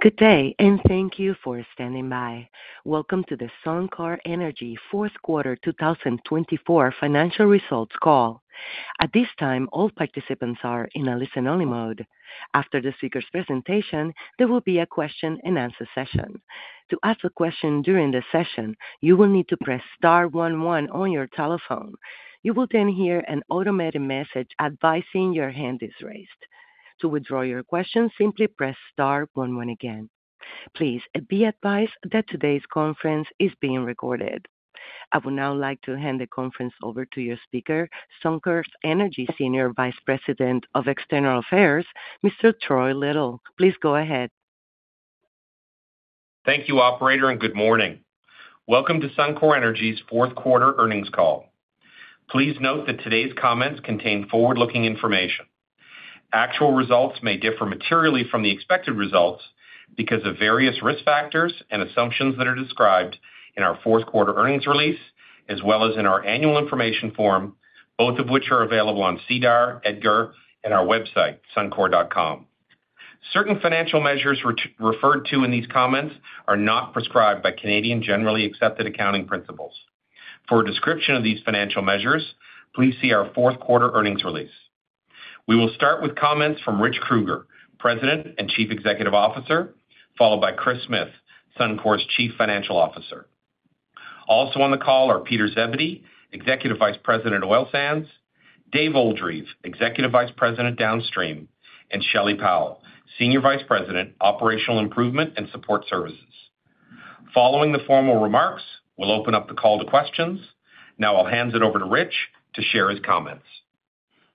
Good day, and thank you for standing by. Welcome to the Suncor Energy Q4 2024 Financial Results Call. At this time, all participants are in listen-only mode. After the speaker's presentation, there will be a question and answer session. To ask a question during the session, you will need to press star 11 on your telephone. You will then hear an automated message advising your hand is raised. To withdraw your question, simply press star 11 again. Please be advised that today's conference is being recorded. I would now like to hand the conference over to your speaker, Suncor Energy Senior Vice President of External Affairs, Mr. Troy Little. Please go ahead. Thank you, Operator, and good morning. Welcome to Suncor Energy's Q4 Earnings Call. Please note that today's comments contain forward-looking information. Actual results may differ materially from the expected results because of various risk factors and assumptions that are described in our Q4 earnings release, as well as in our annual information form, both of which are available on SEDAR, EDGAR, and our website, suncor.com. Certain financial measures referred to in these comments are not prescribed by Canadian generally accepted accounting principles. For a description of these financial measures, please see our Q4 earnings release. We will start with comments from Rich Kruger, President and Chief Executive Officer, followed by Kris Smith, Suncor's Chief Financial Officer. Also on the call are Peter Zebedee, Executive Vice President, Oil Sands, Dave Oldreive, Executive Vice President, Downstream, and Shelley Powell, Senior Vice President, Operational Improvement and Support Services. Following the formal remarks, we'll open up the call to questions. Now I'll hand it over to Rich to share his comments.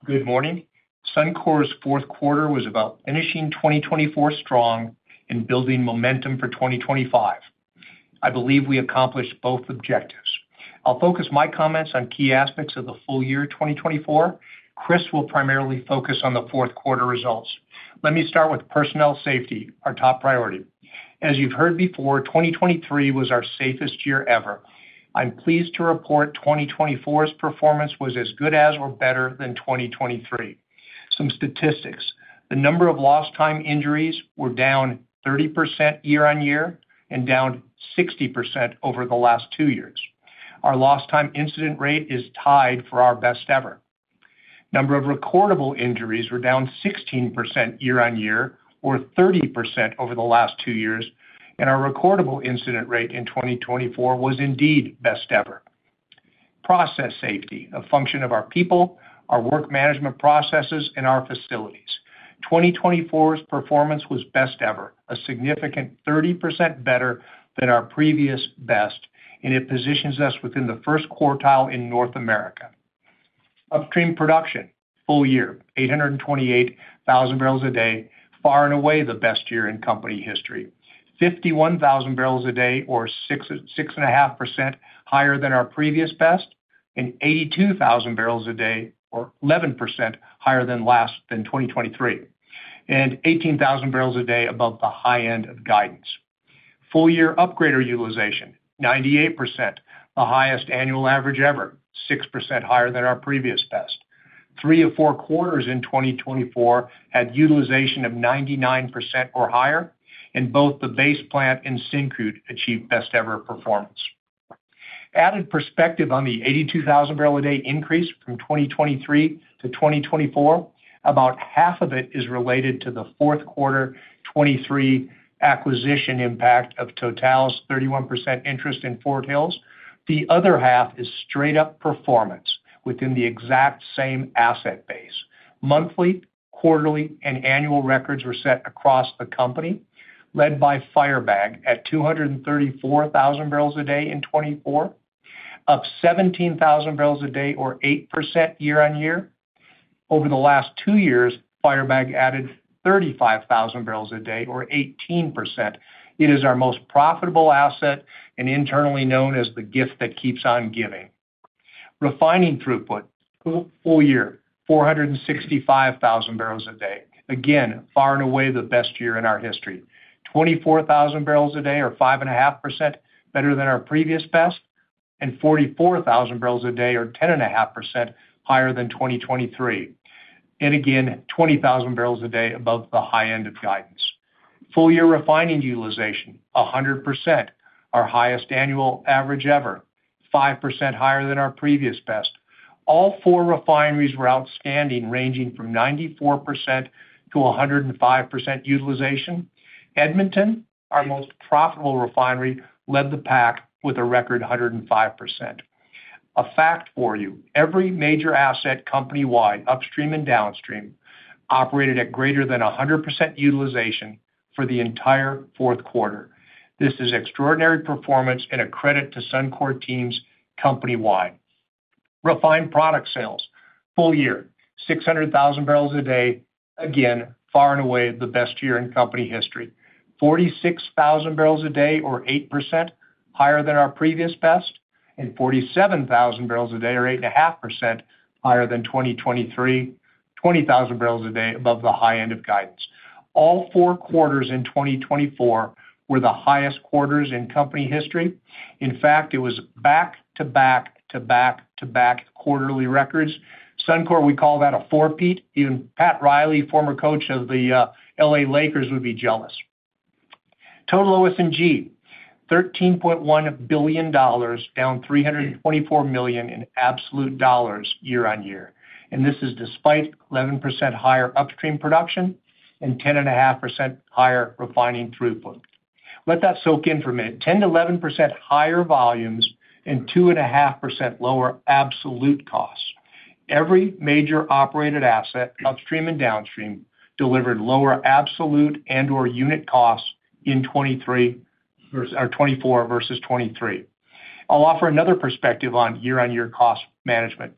Good morning. Suncor's Q4 was about finishing 2024 strong and building momentum for 2025. I believe we accomplished both objectives. I'll focus my comments on key aspects of the full year 2024. Kris will primarily focus on the Q4 results. Let me start with personnel safety, our top priority. As you've heard before, 2023 was our safest year ever. I'm pleased to report 2024's performance was as good as or better than 2023. Some statistics: the number of lost-time injuries were down 30% year on year and down 60% over the last two years. Our lost-time incident rate is tied for our best ever. The number of recordable injuries was down 16% year on year or 30% over the last two years, and our recordable incident rate in 2024 was indeed best ever. Process safety: a function of our people, our work management processes, and our facilities. 2024's performance was best ever, a significant 30% better than our previous best, and it positions us within the first quartile in North America. Upstream production: full year, 828,000 barrels a day, far and away the best year in company history. 51,000 barrels a day, or 6.5% higher than our previous best, and 82,000 barrels a day, or 11% higher than last, 2023, and 18,000 barrels a day above the high end of guidance. Full year upgrader utilization: 98%, the highest annual average ever, 6% higher than our previous best. Three of four quarters in 2024 had utilization of 99% or higher, and both the Base Plant and Syncrude achieved best ever performance. Added perspective on the 82,000 barrel a day increase from 2023 to 2024: about half of it is related to the Q4 2023 acquisition impact of Total's 31% interest in Fort Hills. The other half is straight-up performance within the exact same asset base. Monthly, quarterly, and annual records were set across the company, led by Firebag at 234,000 barrels a day in 2024, up 17,000 barrels a day, or 8% year on year. Over the last two years, Firebag added 35,000 barrels a day, or 18%. It is our most profitable asset and internally known as the gift that keeps on giving. Refining throughput: full year, 465,000 barrels a day. Again, far and away the best year in our history. 24,000 barrels a day, or 5.5% better than our previous best, and 44,000 barrels a day, or 10.5% higher than 2023. And again, 20,000 barrels a day above the high end of guidance. Full year refining utilization: 100%, our highest annual average ever, 5% higher than our previous best. All four refineries were outstanding, ranging from 94% to 105% utilization. Edmonton, our most profitable refinery, led the pack with a record 105%. A fact for you: every major asset company-wide, upstream and downstream, operated at greater than 100% utilization for the entire Q4. This is extraordinary performance and a credit to Suncor team company-wide. Refined product sales: full year, 600,000 barrels a day. Again, far and away the best year in company history. 46,000 barrels a day, or 8% higher than our previous best, and 47,000 barrels a day, or 8.5% higher than 2023. 20,000 barrels a day above the high end of guidance. All four quarters in 2024 were the highest quarters in company history. In fact, it was back-to-back-to-back-to-back quarterly records. Suncor, we call that a four-peat. Even Pat Riley, former coach of the LA Lakers, would be jealous. Total OS&G, 13.1 billion dollars, down 324 million in absolute dollars year on year. And this is despite 11% higher upstream production and 10.5% higher refining throughput. Let that soak in for a minute: 10% to 11% higher volumes and 2.5% lower absolute costs. Every major operated asset, upstream and downstream, delivered lower absolute and/or unit costs in 2023 versus 2024 versus 2023. I'll offer another perspective on year on year cost management.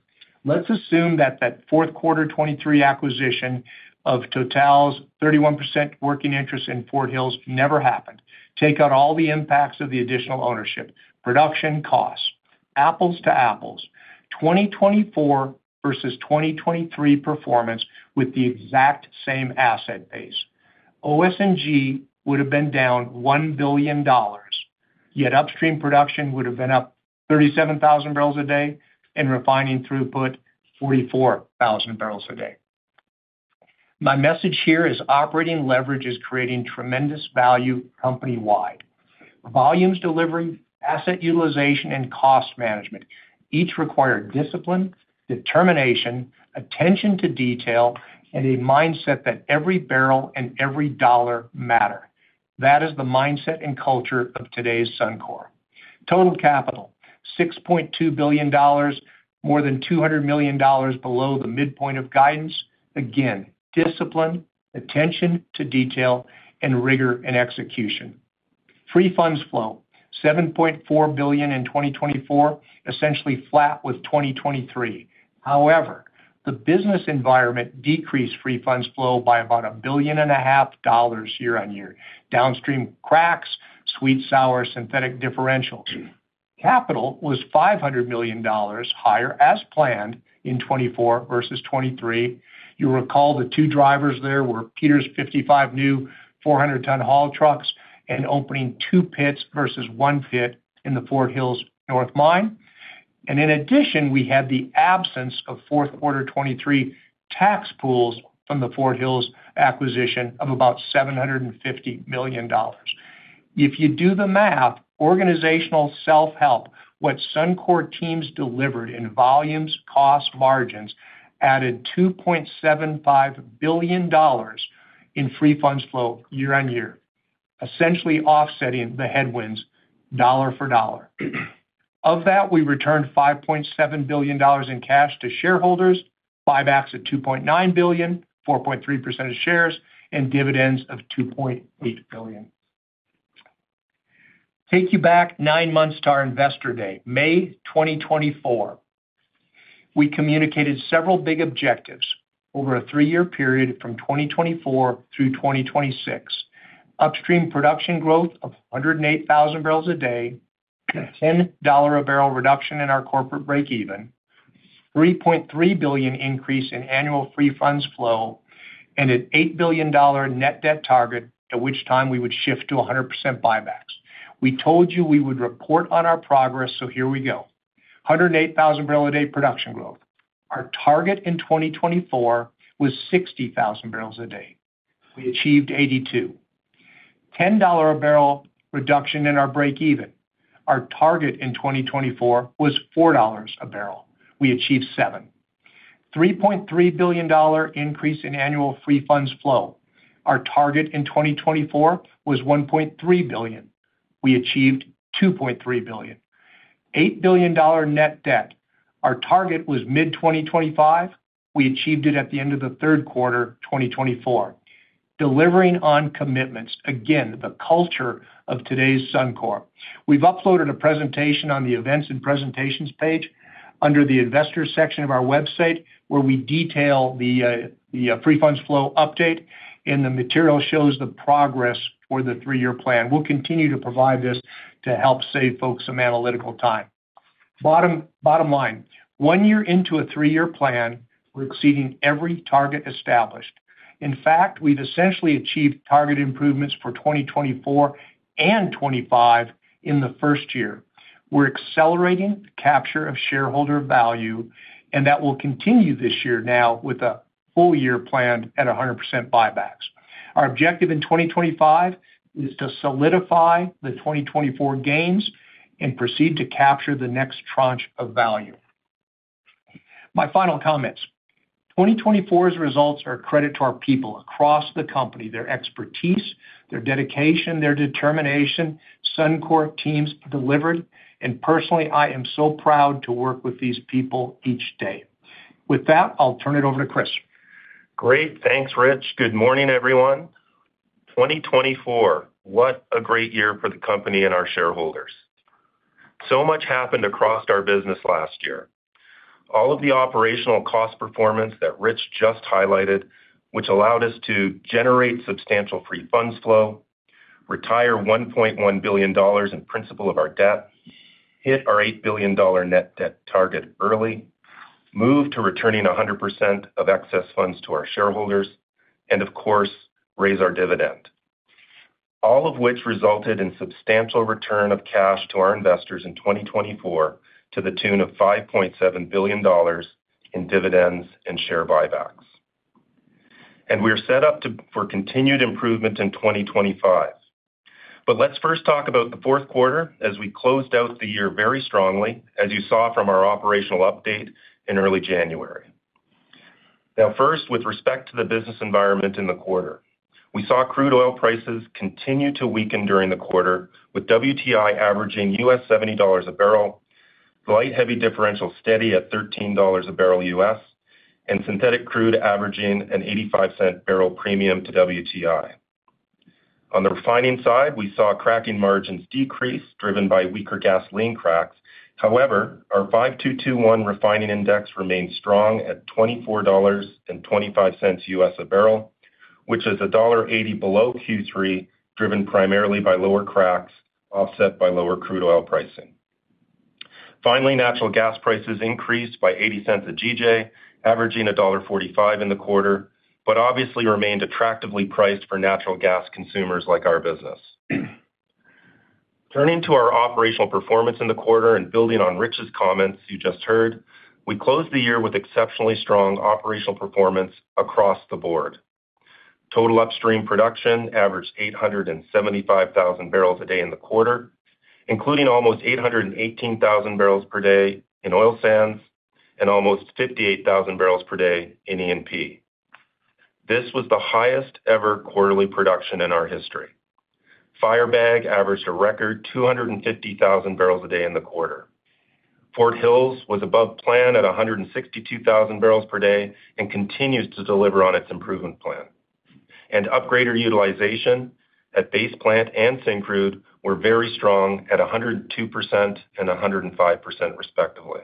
Let's assume that that Q4 2023 acquisition of Total's 31% working interest in Fort Hills never happened. Take out all the impacts of the additional ownership: production costs, apples to apples, 2024 versus 2023 performance with the exact same asset base. OS&G would have been down 1 billion dollars, yet upstream production would have been up 37,000 barrels a day and refining throughput 44,000 barrels a day. My message here is operating leverage is creating tremendous value company-wide. Volumes delivery, asset utilization, and cost management each require discipline, determination, attention to detail, and a mindset that every barrel and every dollar matters. That is the mindset and culture of today's Suncor. Total capital, 6.2 billion dollars, more than 200 million dollars below the midpoint of guidance. Again, discipline, attention to detail, and rigor in execution. Free funds flow, 7.4 billion in 2024, essentially flat with 2023. However, the business environment decreased free funds flow by about 1.5 billion year on year. Downstream cracks, sweet, sour, synthetic differentials. Capital was 500 million dollars higher, as planned, in 2024 versus 2023. You'll recall the two drivers there were Peter's 55 new 400-ton haul trucks and opening two pits versus one pit in the Fort Hills North mine. And in addition, we had the absence of Q4 2023 tax pools from the Fort Hills acquisition of about 750 million dollars. If you do the math, organizational self-help, what Suncor teams delivered in volumes, cost, margins added 2.75 billion dollars in free funds flow year on year, essentially offsetting the headwinds dollar for dollar. Of that, we returned 5.7 billion dollars in cash to shareholders, buybacks of 2.9 billion, 4.3% of shares, and dividends of 2.8 billion. Take you back nine months to our Investor Day, May 2024. We communicated several big objectives over a three-year period from 2024 through 2026: upstream production growth of 108,000 barrels a day, a $10 a barrel reduction in our corporate break-even, a 3.3 billion increase in annual free funds flow, and a 8 billion dollar net debt target, at which time we would shift to 100% buybacks. We told you we would report on our progress, so here we go. 108,000 barrel a day production growth. Our target in 2024 was 60,000 barrels a day. We achieved 82. $10 a barrel reduction in our break-even. Our target in 2024 was $4 a barrel. We achieved $7. $3.3 billion increase in annual free funds flow. Our target in 2024 was $1.3 billion. We achieved $2.3 billion. $8 billion net debt. Our target was mid-2025. We achieved it at the end of Q4 2024. Delivering on commitments, again, the culture of today's Suncor. We've uploaded a presentation on the events and presentations page under the investors section of our website, where we detail the free funds flow update, and the material shows the progress for the three-year plan. We'll continue to provide this to help save folks some analytical time. Bottom line, one year into a three-year plan, we're exceeding every target established. In fact, we've essentially achieved target improvements for 2024 and 2025 in the first year. We're accelerating capture of shareholder value, and that will continue this year now with a full year planned at 100% buybacks. Our objective in 2025 is to solidify the 2024 gains and proceed to capture the next tranche of value. My final comments, 2024's results are a credit to our people across the company, their expertise, their dedication, their determination. Suncor teams delivered, and personally, I am so proud to work with these people each day. With that, I'll turn it over to Kris. Great. Thanks, Rich. Good morning, everyone. 2024, what a great year for the company and our shareholders. So much happened across our business last year. All of the operational cost performance that Rich just highlighted, which allowed us to generate substantial free funds flow, retire 1.1 billion dollars in principal of our debt, hit our 8 billion dollar net debt target early, move to returning 100% of excess funds to our shareholders, and of course, raise our dividend. All of which resulted in substantial return of cash to our investors in 2024 to the tune of 5.7 billion dollars in dividends and share buybacks. And we're set up for continued improvement in 2025. But let's first talk about the Q4, as we closed out the year very strongly, as you saw from our operational update in early January. Now, first, with respect to the business environment in the quarter, we saw crude oil prices continue to weaken during the quarter, with WTI averaging $70 a barrel, light heavy differential steady at $13 a barrel U.S., and synthetic crude averaging a $0.85 a barrel premium to WTI. On the refining side, we saw cracking margins decrease driven by weaker gasoline cracks. However, our 5-2-2-1 refining index remained strong at $24.25 a barrel, which is $1.80 below Q3, driven primarily by lower cracks offset by lower crude oil pricing. Finally, natural gas prices increased by $0.80 a GJ, averaging $1.45 in the quarter, but obviously remained attractively priced for natural gas consumers like our business. Turning to our operational performance in the quarter and building on Rich's comments you just heard, we closed the year with exceptionally strong operational performance across the board. Total upstream production averaged 875,000 barrels a day in the quarter, including almost 818,000 barrels per day in oil sands and almost 58,000 barrels per day in E&P. This was the highest ever quarterly production in our history. Firebag averaged a record 250,000 barrels a day in the quarter. Fort Hills was above plan at 162,000 barrels per day and continues to deliver on its improvement plan, and upgrader utilization at Base Plant and Syncrude were very strong at 102% and 105%, respectively.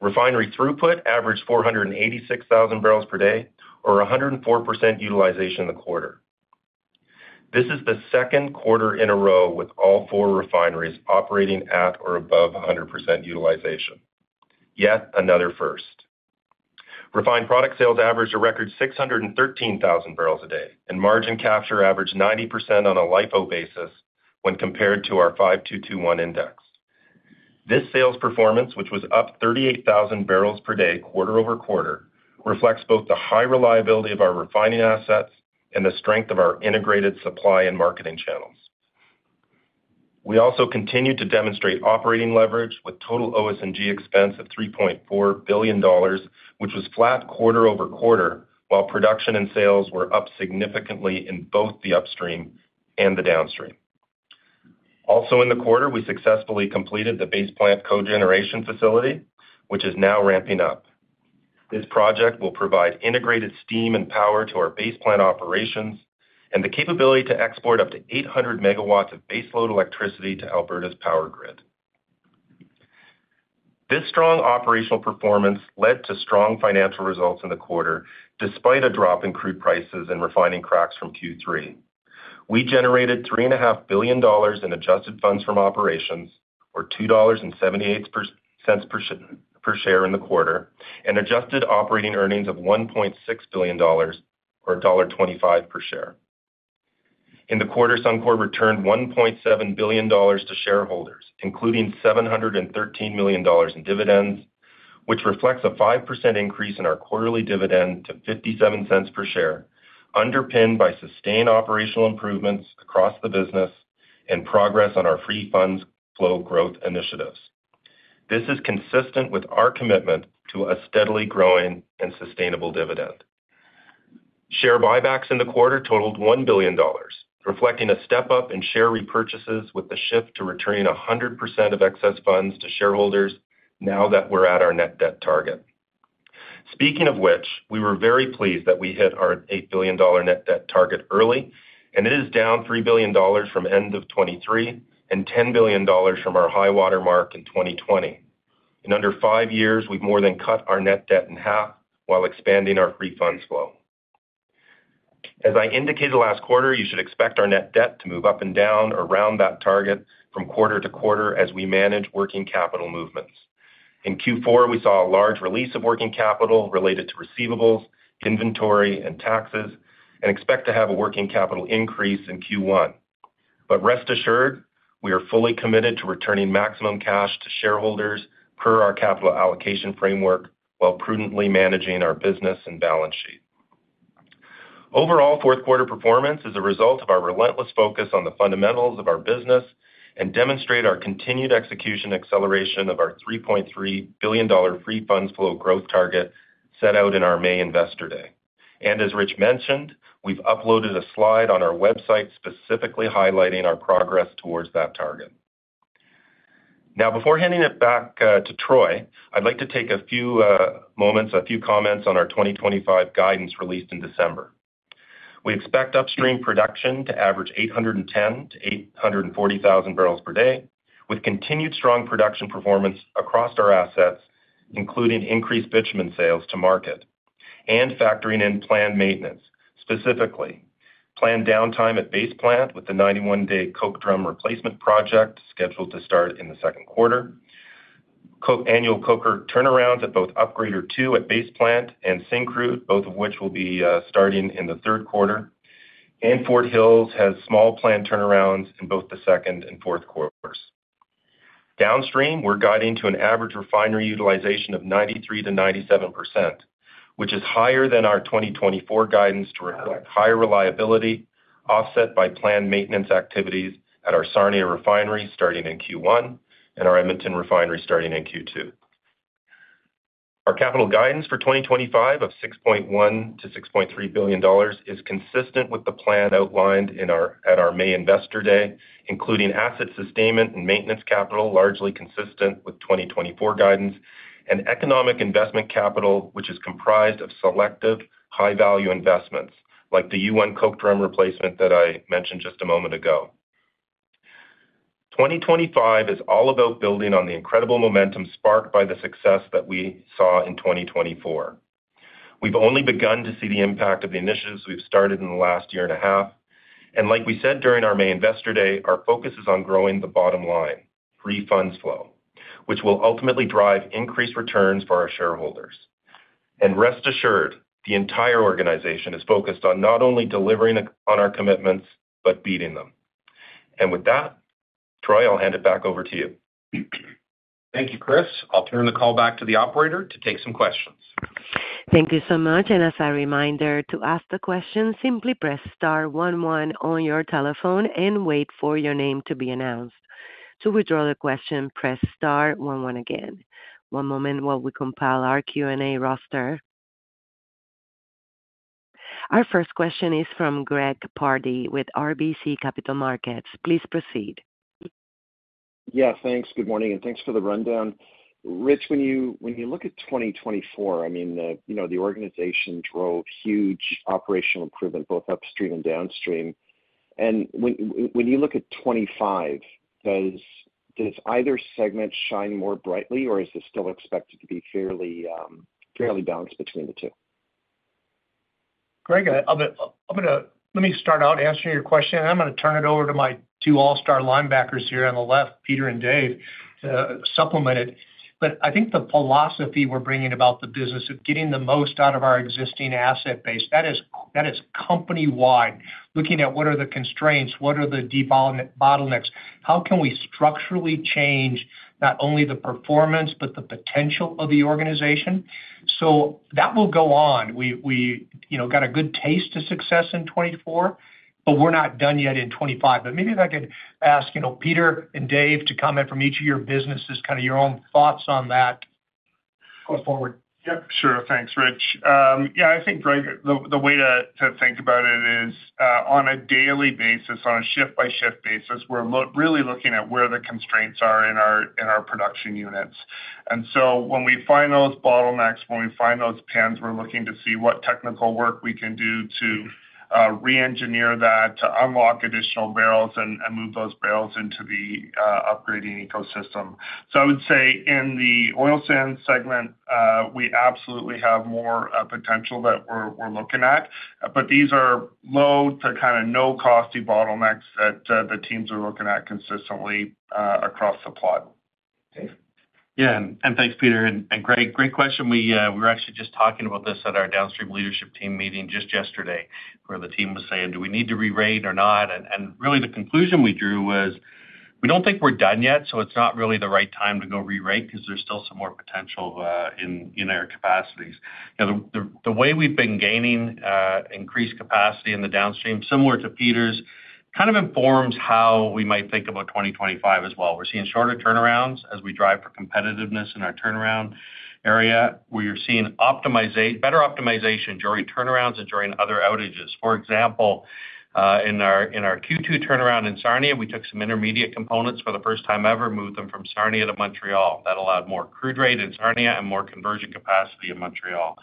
Refinery throughput averaged 486,000 barrels per day, or 104% utilization in the quarter. This is the second quarter in a row with all four refineries operating at or above 100% utilization. Yet another first. Refined product sales averaged a record 613,000 barrels a day, and margin capture averaged 90% on a LIFO basis when compared to our 5-2-2-1 Index. This sales performance, which was up 38,000 barrels per day quarter over quarter, reflects both the high reliability of our refining assets and the strength of our integrated supply and marketing channels. We also continue to demonstrate operating leverage with total OS&G expense of 3.4 billion dollars, which was flat quarter over quarter, while production and sales were up significantly in both the upstream and the downstream. Also in the quarter, we successfully completed the Base Plant cogeneration facility, which is now ramping up. This project will provide integrated steam and power to our Base Plant operations and the capability to export up to 800 megawatts of base load electricity to Alberta's power grid. This strong operational performance led to strong financial results in the quarter, despite a drop in crude prices and refining cracks from Q3. We generated $3.5 billion in adjusted funds from operations, or $2.78 per share in the quarter, and adjusted operating earnings of $1.6 billion, or $1.25 per share. In the quarter, Suncor returned $1.7 billion to shareholders, including $713 million in dividends, which reflects a 5% increase in our quarterly dividend to $0.57 per share, underpinned by sustained operational improvements across the business and progress on our free funds flow growth initiatives. This is consistent with our commitment to a steadily growing and sustainable dividend. Share buybacks in the quarter totaled $1 billion, reflecting a step up in share repurchases with the shift to returning 100% of excess funds to shareholders now that we're at our net debt target. Speaking of which, we were very pleased that we hit our 8 billion dollar net debt target early, and it is down 3 billion dollars from end of 2023 and 10 billion dollars from our high watermark in 2020. In under five years, we've more than cut our net debt in half while expanding our free funds flow. As I indicated last quarter, you should expect our net debt to move up and down around that target from quarter to quarter as we manage working capital movements. In Q4, we saw a large release of working capital related to receivables, inventory, and taxes, and expect to have a working capital increase in Q1, but rest assured, we are fully committed to returning maximum cash to shareholders per our capital allocation framework while prudently managing our business and balance sheet. Overall, Q4 performance is a result of our relentless focus on the fundamentals of our business and demonstrates our continued execution acceleration of our 3.3 billion dollar free funds flow growth target set out in our May Investor Day, and as Rich mentioned, we've uploaded a slide on our website specifically highlighting our progress towards that target. Now, before handing it back to Troy, I'd like to take a few moments, a few comments on our 2025 guidance released in December. We expect upstream production to average 810-840,000 barrels per day, with continued strong production performance across our assets, including increased bitumen sales to market and factoring in planned maintenance. Specifically, planned downtime at Base Plant with the 91-day coke drum replacement project scheduled to start in the second quarter. Annual coker turnarounds at both Upgrader Two at Base Plant and Syncrude, both of which will be starting in the third quarter, and Fort Hills has small plant turnarounds in both the second and fourth quarters. Downstream, we're guiding to an average refinery utilization of 93% to 97%, which is higher than our 2024 guidance to reflect higher reliability offset by planned maintenance activities at our Sarnia Refinery starting in Q1 and our Edmonton Refinery starting in Q2. Our capital guidance for 2025 of 6.1 to 6.3 billion dollars is consistent with the plan outlined at our May Investor Day, including asset sustainment and maintenance capital, largely consistent with 2024 guidance, and economic investment capital, which is comprised of selective high-value investments like the new coke drum replacement that I mentioned just a moment ago. 2025 is all about building on the incredible momentum sparked by the success that we saw in 2024. We've only begun to see the impact of the initiatives we've started in the last year and a half. And like we said during our May Investor Day, our focus is on growing the bottom line, free funds flow, which will ultimately drive increased returns for our shareholders. And rest assured, the entire organization is focused on not only delivering on our commitments but beating them. And with that, Troy, I'll hand it back over to you. Thank you, Kris. I'll turn the call back to the operator to take some questions. Thank you so much. And as a reminder, to ask the question, simply press star 11 on your telephone and wait for your name to be announced. To withdraw the question, press star 11 again. One moment while we compile our Q and A roster. Our first question is from Greg Pardy with RBC Capital Markets. Please proceed. Yeah, thanks. Good morning, and thanks for the rundown. Rich, when you look at 2024, I mean, the organization drove huge operational improvement both upstream and downstream. And when you look at 2025, does either segment shine more brightly, or is this still expected to be fairly balanced between the two? Greg, let me start out answering your question. I'm going to turn it over to my two all-star linebackers here on the left, Peter and Dave, to supplement it. But I think the philosophy we're bringing about the business of getting the most out of our existing asset base, that is company-wide, looking at what are the constraints, what are the bottlenecks, how can we structurally change not only the performance but the potential of the organization. So that will go on. We got a good taste of success in 2024, but we're not done yet in 2025. But maybe if I could ask Peter and Dave to comment from each of your businesses, kind of your own thoughts on that going forward. Yep. Sure. Thanks, Rich. Yeah, I think, Greg, the way to think about it is on a daily basis, on a shift by shift basis, we're really looking at where the constraints are in our production units. And so when we find those bottlenecks, when we find those pains, we're looking to see what technical work we can do to re-engineer that, to unlock additional barrels, and move those barrels into the upgrading ecosystem. So I would say in the oil sands segment, we absolutely have more potential that we're looking at. But these are low- to kind of no-cost bottlenecks that the teams are looking at consistently across the plant. Yeah. And thanks, Peter and Greg. Great question. We were actually just talking about this at our downstream leadership team meeting just yesterday, where the team was saying, "Do we need to re-rate or not?" And really, the conclusion we drew was, We don't think we're done yet, so it's not really the right time to go re-rate because there's still some more potential in our capacities. The way we've been gaining increased capacity in the downstream, similar to Peter's, kind of informs how we might think about 2025 as well. We're seeing shorter turnarounds as we drive for competitiveness in our turnaround area, where you're seeing better optimization during turnarounds and during other outages. For example, in our Q2 turnaround in Sarnia, we took some intermediate components for the first time ever, moved them from Sarnia to Montreal. That allowed more crude rate in Sarnia and more conversion capacity in Montreal.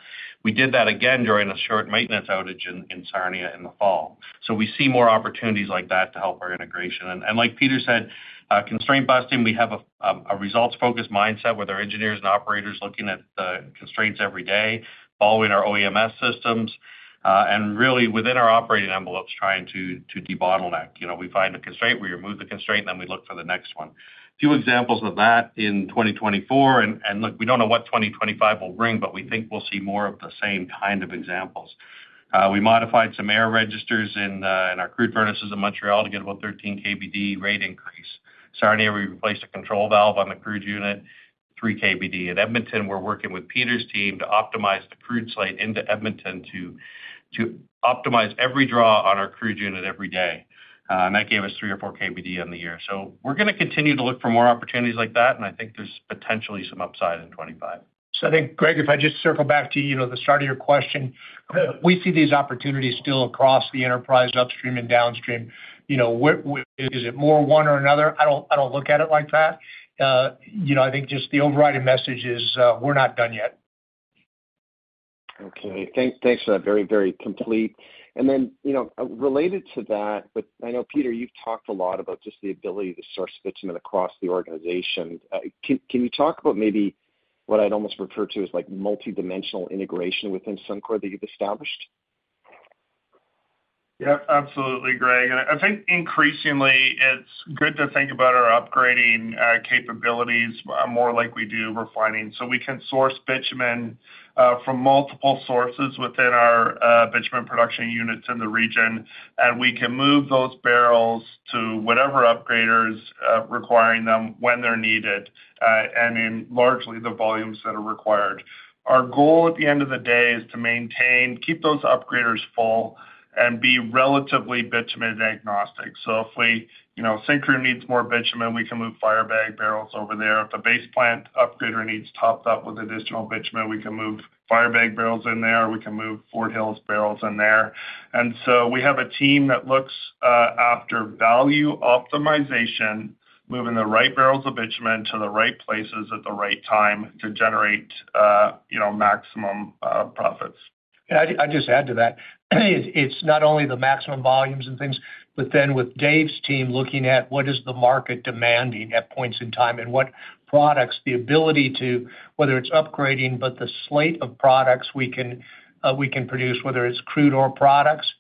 We did that again during a short maintenance outage in Sarnia in the fall. So we see more opportunities like that to help our integration. And like Peter said, constraint busting, we have a results-focused mindset where there are engineers and operators looking at the constraints every day, following our OEMS systems, and really within our operating envelopes trying to debottleneck. We find a constraint, we remove the constraint, and then we look for the next one. A few examples of that in 2024. And look, we don't know what 2025 will bring, but we think we'll see more of the same kind of examples. We modified some air registers in our crude furnaces in Montreal to get about 13 KBD rate increase. Sarnia, we replaced a control valve on the crude unit, 3 KBD. In Edmonton, we're working with Peter's team to optimize the crude slate into Edmonton to optimize every draw on our crude unit every day, and that gave us three or four KBD on the year, so we're going to continue to look for more opportunities like that, and I think there's potentially some upside in 2025, so I think, Greg, if I just circle back to the start of your question, we see these opportunities still across the enterprise, upstream and downstream. Is it more one or another? I don't look at it like that. I think just the overriding message is, we're not done yet. Okay. Thanks for that. Very, very complete. And then related to that, I know, Peter, you've talked a lot about just the ability to source bitumen across the organization. Can you talk about maybe what I'd almost refer to as multidimensional integration within Suncor that you've established? Yep. Absolutely, Greg. And I think increasingly, it's good to think about our upgrading capabilities more like we do refining. So we can source bitumen from multiple sources within our bitumen production units in the region, and we can move those barrels to whatever upgraders require them when they're needed, and in largely the volumes that are required. Our goal at the end of the day is to keep those upgraders full and be relatively bitumen agnostic. So if Syncrude needs more bitumen, we can move Firebag barrels over there. If the Base Plant upgrader needs topped up with additional bitumen, we can move Firebag barrels in there. We can move Fort Hills barrels in there. And so we have a team that looks after value optimization, moving the right barrels of bitumen to the right places at the right time to generate maximum profits. And I'd just add to that. It's not only the maximum volumes and things, but then with Dave's team looking at what is the market demanding at points in time and what products, the ability to, whether it's upgrading, but the slate of products we can produce, whether it's crude or products,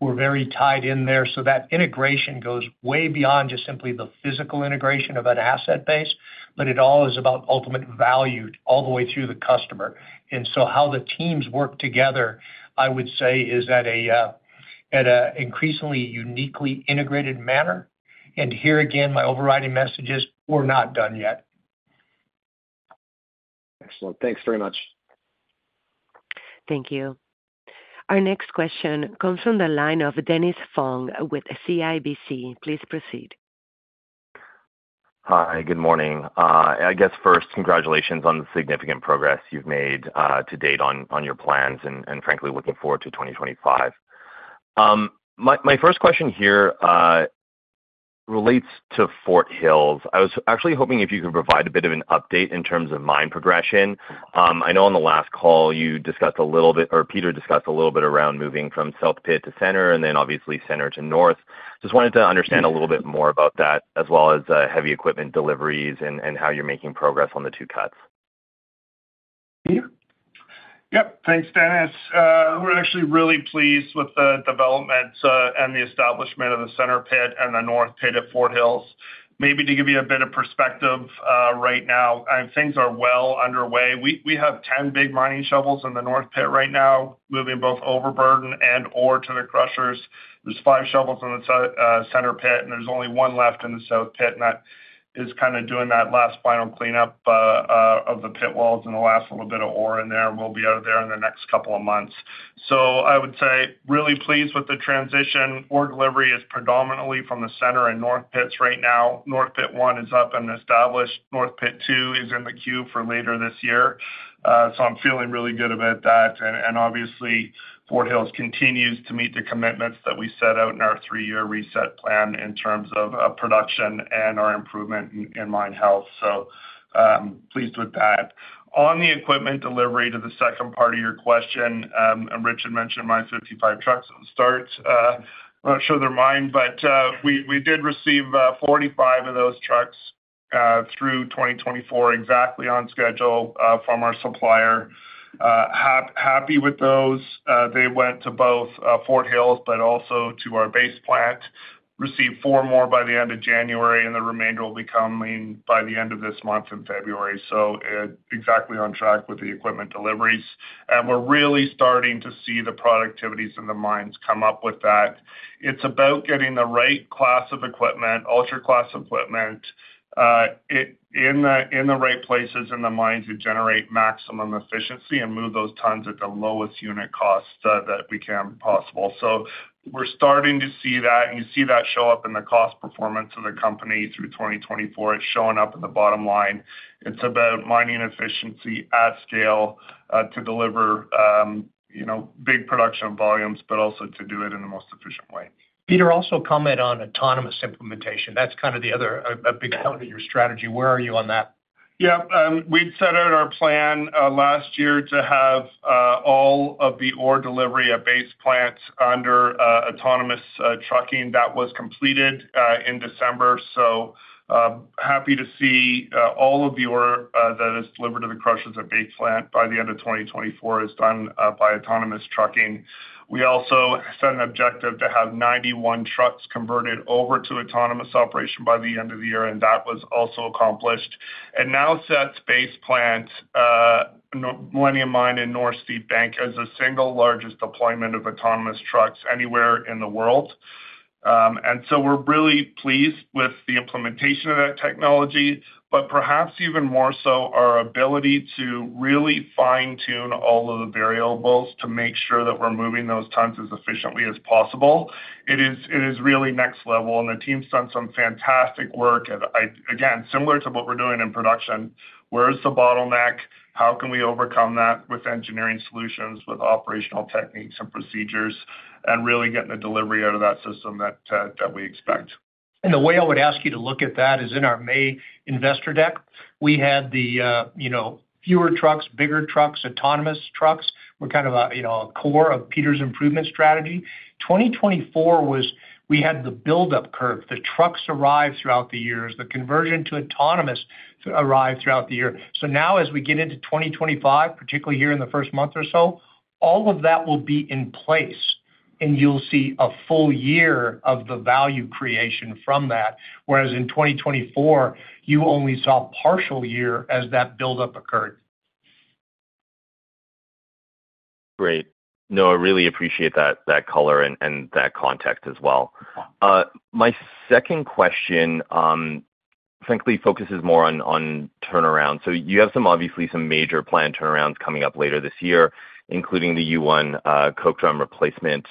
we're very tied in there. So that integration goes way beyond just simply the physical integration of an asset base, but it all is about ultimate value all the way through the customer. And so how the teams work together, I would say, is at an increasingly uniquely integrated manner. And here again, my overriding message is, we're not done yet. Excellent. Thanks very much. Thank you. Our next question comes from the line of Dennis Fong with CIBC. Please proceed. Hi. Good morning. I guess first, congratulations on the significant progress you've made to date on your plans and, frankly, looking forward to 2025. My first question here relates to Fort Hills. I was actually hoping if you could provide a bit of an update in terms of mine progression. I know on the last call, you discussed a little bit, or Peter discussed a little bit around moving from South Pit to Center Pit and then obviously Center Pit to North Pit. Just wanted to understand a little bit more about that as well as heavy equipment deliveries and how you're making progress on the two cuts. Peter? Yep. Thanks, Dennis. We're actually really pleased with the development and the establishment of the Center Pit and the North Pit at Fort Hills. Maybe to give you a bit of perspective right now, things are well underway. We have 10 big mining shovels in the North Pit right now, moving both overburden and ore to the crushers. There's five shovels in the Center Pit, and there's only one left in the South Pit. And that is kind of doing that last final cleanup of the pit walls and the last little bit of ore in there, and we'll be out of there in the next couple of months. So I would say really pleased with the transition. Ore delivery is predominantly from the Center and North Pits right now. North Pit one is up and established. North Pit two is in the queue for later this year. I'm feeling really good about that. Obviously, Fort Hills continues to meet the commitments that we set out in our three-year reset plan in terms of production and our improvement in mine health. Pleased with that. On the equipment delivery to the second part of your question, Richard mentioned mines 55 trucks at the start. I'm not sure they're mine, but we did receive 45 of those trucks through 2024, exactly on schedule from our supplier. Happy with those. They went to both Fort Hills but also to our Base Plant, received four more by the end of January, and the remainder will be coming by the end of this month in February. Exactly on track with the equipment deliveries. We're really starting to see the productivities in the mines come up with that. It's about getting the right class of equipment, ultra-class equipment, in the right places in the mines to generate maximum efficiency and move those tons at the lowest unit cost that we can possibly, so we're starting to see that, and you see that show up in the cost performance of the company through 2024. It's showing up in the bottom line. It's about mining efficiency at scale to deliver big production volumes, but also to do it in the most efficient way. Peter, also comment on autonomous implementation. That's kind of a big part of your strategy. Where are you on that? Yeah. We'd set out our plan last year to have all of the ore delivery at Base Plant under autonomous trucking. That was completed in December, so happy to see all of the ore that is delivered to the crushers at Base Plant by the end of 2024 is done by autonomous trucking. We also set an objective to have 91 trucks converted over to autonomous operation by the end of the year, and that was also accomplished, and now sets Base Plant, Millennium Mine and North Steepbank Mine, as the single largest deployment of autonomous trucks anywhere in the world, and so we're really pleased with the implementation of that technology, but perhaps even more so our ability to really fine-tune all of the variables to make sure that we're moving those tons as efficiently as possible. It is really next level, and the team's done some fantastic work. Again, similar to what we're doing in production, where's the bottleneck? How can we overcome that with engineering solutions, with operational techniques and procedures, and really getting the delivery out of that system that we expect? The way I would ask you to look at that is in our May Investor Deck, we had the fewer trucks, bigger trucks, autonomous trucks. We're kind of a core of Peter's improvement strategy. 2024 was we had the buildup curve. The trucks arrived throughout the years. The conversion to autonomous arrived throughout the year. So now as we get into 2025, particularly here in the first month or so, all of that will be in place, and you'll see a full year of the value creation from that, whereas in 2024, you only saw a partial year as that buildup occurred. Great. No, I really appreciate that color and that context as well. My second question, frankly, focuses more on turnaround. So you have obviously some major plant turnarounds coming up later this year, including the U1 Coke Drum Replacement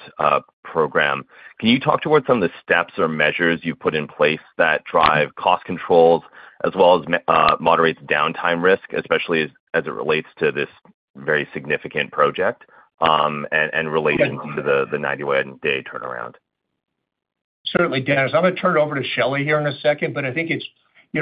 Program. Can you talk towards some of the steps or measures you've put in place that drive cost controls as well as moderate downtime risk, especially as it relates to this very significant project and relating to the 91-day turnaround? Certainly, Dennis. I'm going to turn it over to Shelley here in a second, but I think it's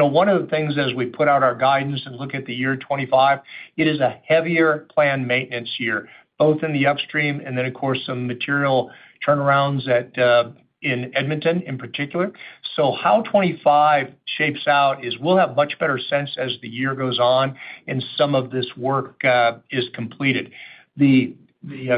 one of the things as we put out our guidance and look at the year 2025. It is a heavier planned maintenance year, both in the upstream and then, of course, some material turnarounds in Edmonton in particular. How 2025 shapes out is we'll have much better sense as the year goes on and some of this work is completed. The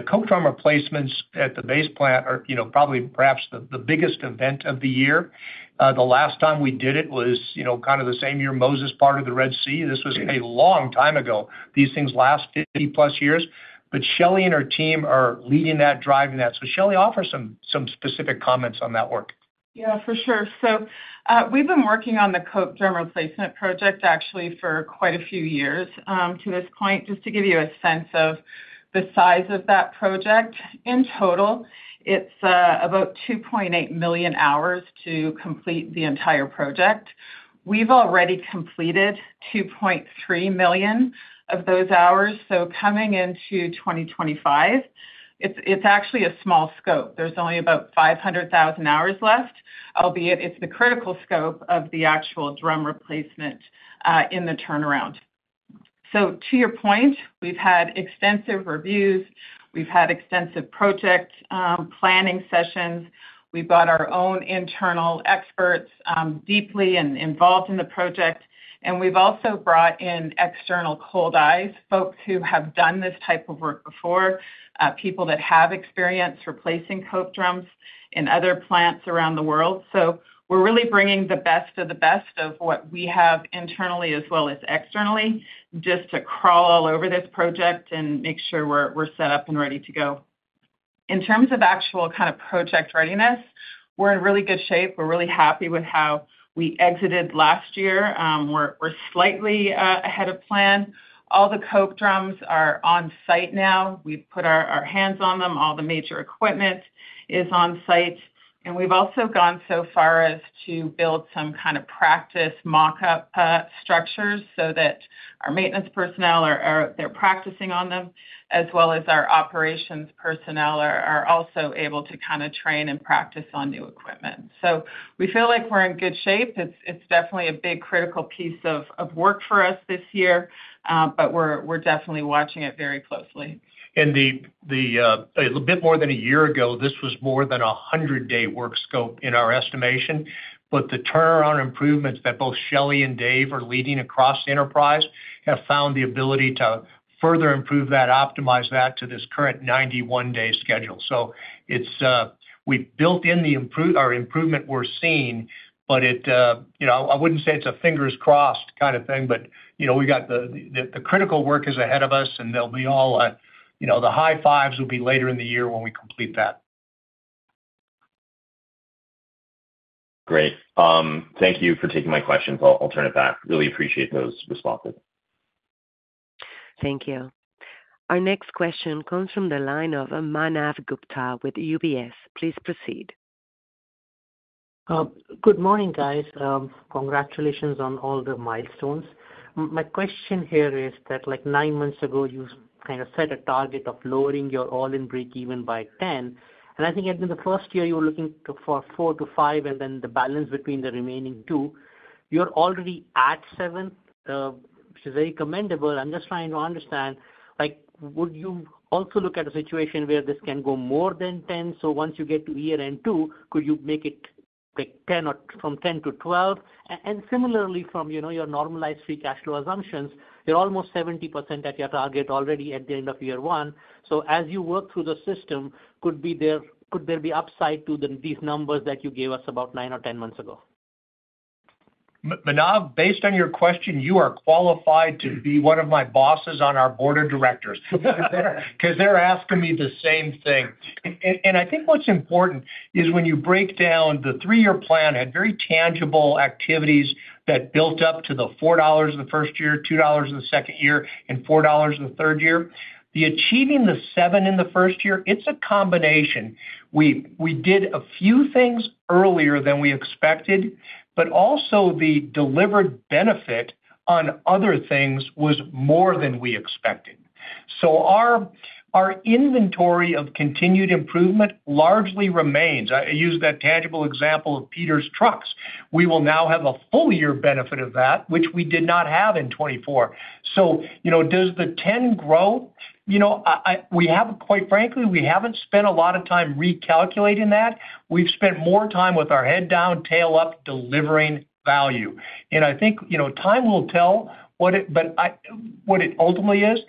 coke drum replacements at the Base Plant are probably perhaps the biggest event of the year. The last time we did it was kind of the same year Moses parted the Red Sea. This was a long time ago. These things last 50-plus years, but Shelley and her team are leading that, driving that. Shelley offers some specific comments on that work. Yeah, for sure. So we've been working on the Coke Drum Replacement Project actually for quite a few years to this point. Just to give you a sense of the size of that project, in total, it's about 2.8 million hours to complete the entire project. We've already completed 2.3 million of those hours. So coming into 2025, it's actually a small scope. There's only about 500,000 hours left, albeit it's the critical scope of the actual Drum Replacement in the turnaround. So to your point, we've had extensive reviews. We've had extensive project planning sessions. We brought our own internal experts deeply involved in the project, and we've also brought in external cold eyes, folks who have done this type of work before, people that have experience replacing coke drums in other plants around the world. We're really bringing the best of the best of what we have internally as well as externally just to crawl all over this project and make sure we're set up and ready to go. In terms of actual kind of project readiness, we're in really good shape. We're really happy with how we exited last year. We're slightly ahead of plan. All the coke drums are on site now. We've put our hands on them. All the major equipment is on site. And we've also gone so far as to build some kind of practice mock-up structures so that our maintenance personnel are practicing on them, as well as our operations personnel are also able to kind of train and practice on new equipment. So we feel like we're in good shape. It's definitely a big critical piece of work for us this year, but we're definitely watching it very closely. A bit more than a year ago, this was more than a 100-day work scope in our estimation, but the turnaround improvements that both Shelley and Dave are leading across the enterprise have found the ability to further improve that, optimize that to this current 91-day schedule. We've built in our improvement we're seeing, but I wouldn't say it's a fingers crossed kind of thing, but we've got the critical work is ahead of us, and they'll be all the high fives will be later in the year when we complete that. Great. Thank you for taking my questions. I'll turn it back. Really appreciate those responses. Thank you. Our next question comes from the line of Manav Gupta with UBS. Please proceed. Good morning, guys. Congratulations on all the milestones. My question here is that nine months ago, you kind of set a target of lowering your all-in break-even by 10, and I think in the first year, you were looking for 4 to 5, and then the balance between the remaining two. You're already at seven, which is very commendable. I'm just trying to understand, would you also look at a situation where this can go more than 10, so once you get to year end two, could you make it from 10 to 12, and similarly, from your normalized free cash flow assumptions, you're almost 70% at your target already at the end of year 1, so as you work through the system, could there be upside to these numbers that you gave us about 9 or 10 months ago? Manav, based on your question, you are qualified to be one of my bosses on our board of directors because they're asking me the same thing. And I think what's important is when you break down the three-year plan, it had very tangible activities that built up to the $4 in the first year, $2 in the second year, and $4 in the third year. The achieving the seven in the first year, it's a combination. We did a few things earlier than we expected, but also the delivered benefit on other things was more than we expected. So our inventory of continued improvement largely remains. I use that tangible example of Peter's trucks. We will now have a full year benefit of that, which we did not have in 2024. So does the 10 grow? We haven't, quite frankly, we haven't spent a lot of time recalculating that. We've spent more time with our head down, tail up, delivering value. And I think time will tell what it ultimately is.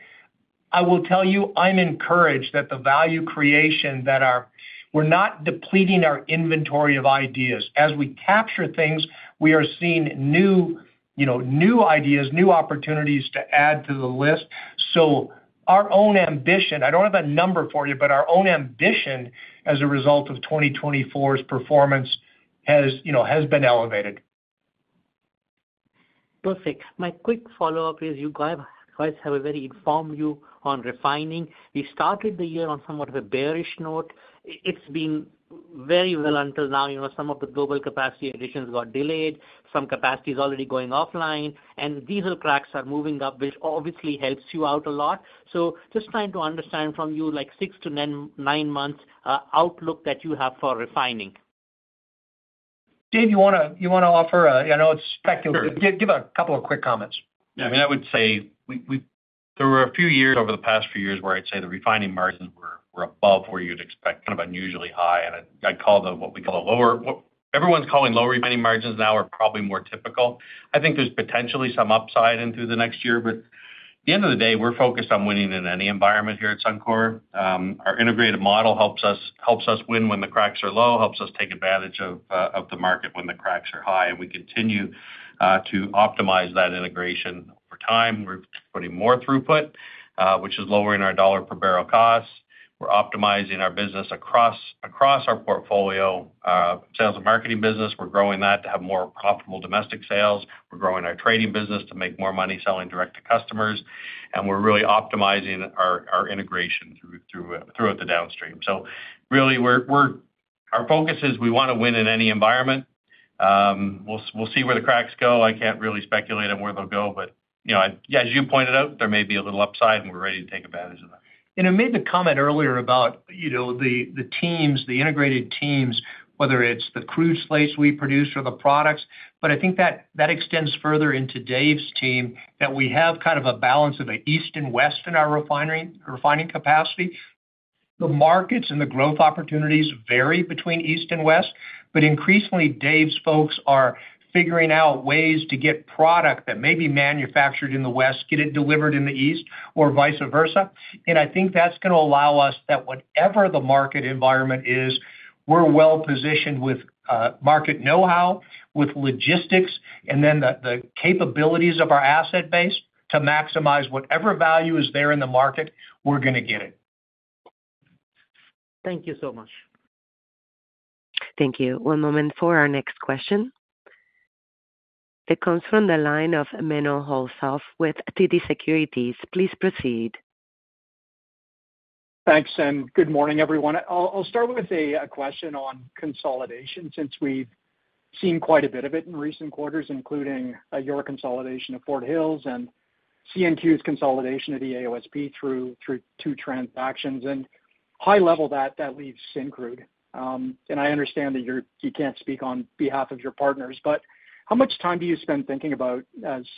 I will tell you, I'm encouraged that the value creation that we're not depleting our inventory of ideas. As we capture things, we are seeing new ideas, new opportunities to add to the list. So our own ambition, I don't have that number for you, but our own ambition as a result of 2024's performance has been elevated. Perfect. My quick follow-up is you guys have a very informed view on refining. We started the year on somewhat of a bearish note. It's been very well until now. Some of the global capacity additions got delayed. Some capacity is already going offline, and diesel cracks are moving up, which obviously helps you out a lot. So just trying to understand from you like six to nine months outlook that you have for refining. Dave, you want to offer a, I know it's speculative. Give a couple of quick comments. Yeah. I mean, I would say there were a few years over the past few years where I'd say the refining margins were above where you'd expect, kind of unusually high. I'd call them what we call lower. Everyone's calling lower refining margins now are probably more typical. I think there's potentially some upside into the next year, but at the end of the day, we're focused on winning in any environment here at Suncor. Our integrated model helps us win when the cracks are low, helps us take advantage of the market when the cracks are high, and we continue to optimize that integration over time. We're putting more throughput, which is lowering our dollar per barrel costs. We're optimizing our business across our portfolio, sales and marketing business. We're growing that to have more profitable domestic sales. We're growing our trading business to make more money selling direct to customers, and we're really optimizing our integration throughout the downstream, so really, our focus is we want to win in any environment. We'll see where the cracks go. I can't really speculate on where they'll go, but as you pointed out, there may be a little upside, and we're ready to take advantage of that. I made the comment earlier about the teams, the integrated teams, whether it's the crude slates we produce or the products, but I think that extends further into Dave's team that we have kind of a balance of an east and west in our refining capacity. The markets and the growth opportunities vary between east and west, but increasingly, Dave's folks are figuring out ways to get product that may be manufactured in the west, get it delivered in the east, or vice versa. I think that's going to allow us, whatever the market environment is, we're well-positioned with market know-how, with logistics, and then the capabilities of our asset base to maximize whatever value is there in the market; we're going to get it. Thank you so much. Thank you. One moment for our next question. It comes from the line of Menno Hulshof with TD Securities. Please proceed. Thanks. And good morning, everyone. I'll start with a question on consolidation since we've seen quite a bit of it in recent quarters, including your consolidation at Fort Hills and CNQ's consolidation at AOSP through two transactions. And high level, that leaves Syncrude. And I understand that you can't speak on behalf of your partners, but how much time do you spend thinking about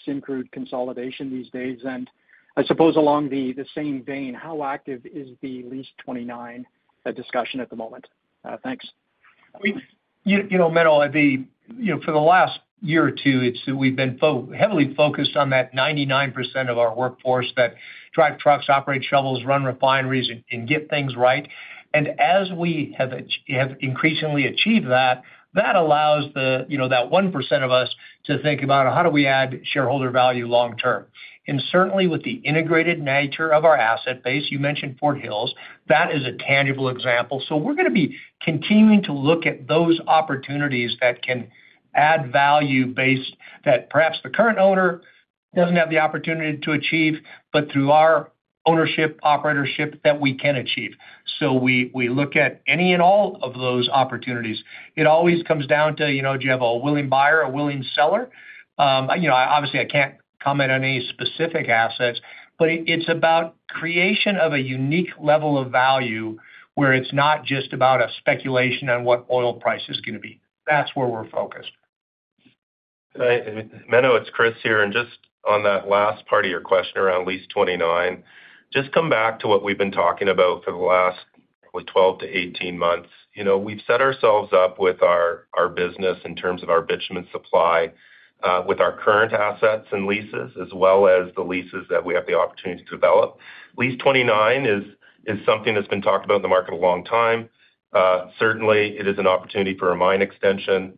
Syncrude consolidation these days? And I suppose along the same vein, how active is the Lease 29 discussion at the moment? Thanks. I mean, Menno, I think for the last year or two, we've been heavily focused on that 99% of our workforce that drive trucks, operate shovels, run refineries, and get things right. And as we have increasingly achieved that, that allows that 1% of us to think about how do we add shareholder value long term. And certainly, with the integrated nature of our asset base, you mentioned Fort Hills. That is a tangible example. So we're going to be continuing to look at those opportunities that can add value based that perhaps the current owner doesn't have the opportunity to achieve, but through our ownership, operatorship that we can achieve. So we look at any and all of those opportunities. It always comes down to do you have a willing buyer, a willing seller? Obviously, I can't comment on any specific assets, but it's about creation of a unique level of value where it's not just about a speculation on what oil price is going to be. That's where we're focused. Hi, Menno. It's Kris here. And just on that last part of your question around Lease 29, just come back to what we've been talking about for the last probably 12 to 18 months. We've set ourselves up with our business in terms of our bitumen supply with our current assets and leases, as well as the leases that we have the opportunity to develop. Lease 29 is something that's been talked about in the market a long time. Certainly, it is an opportunity for a mine extension.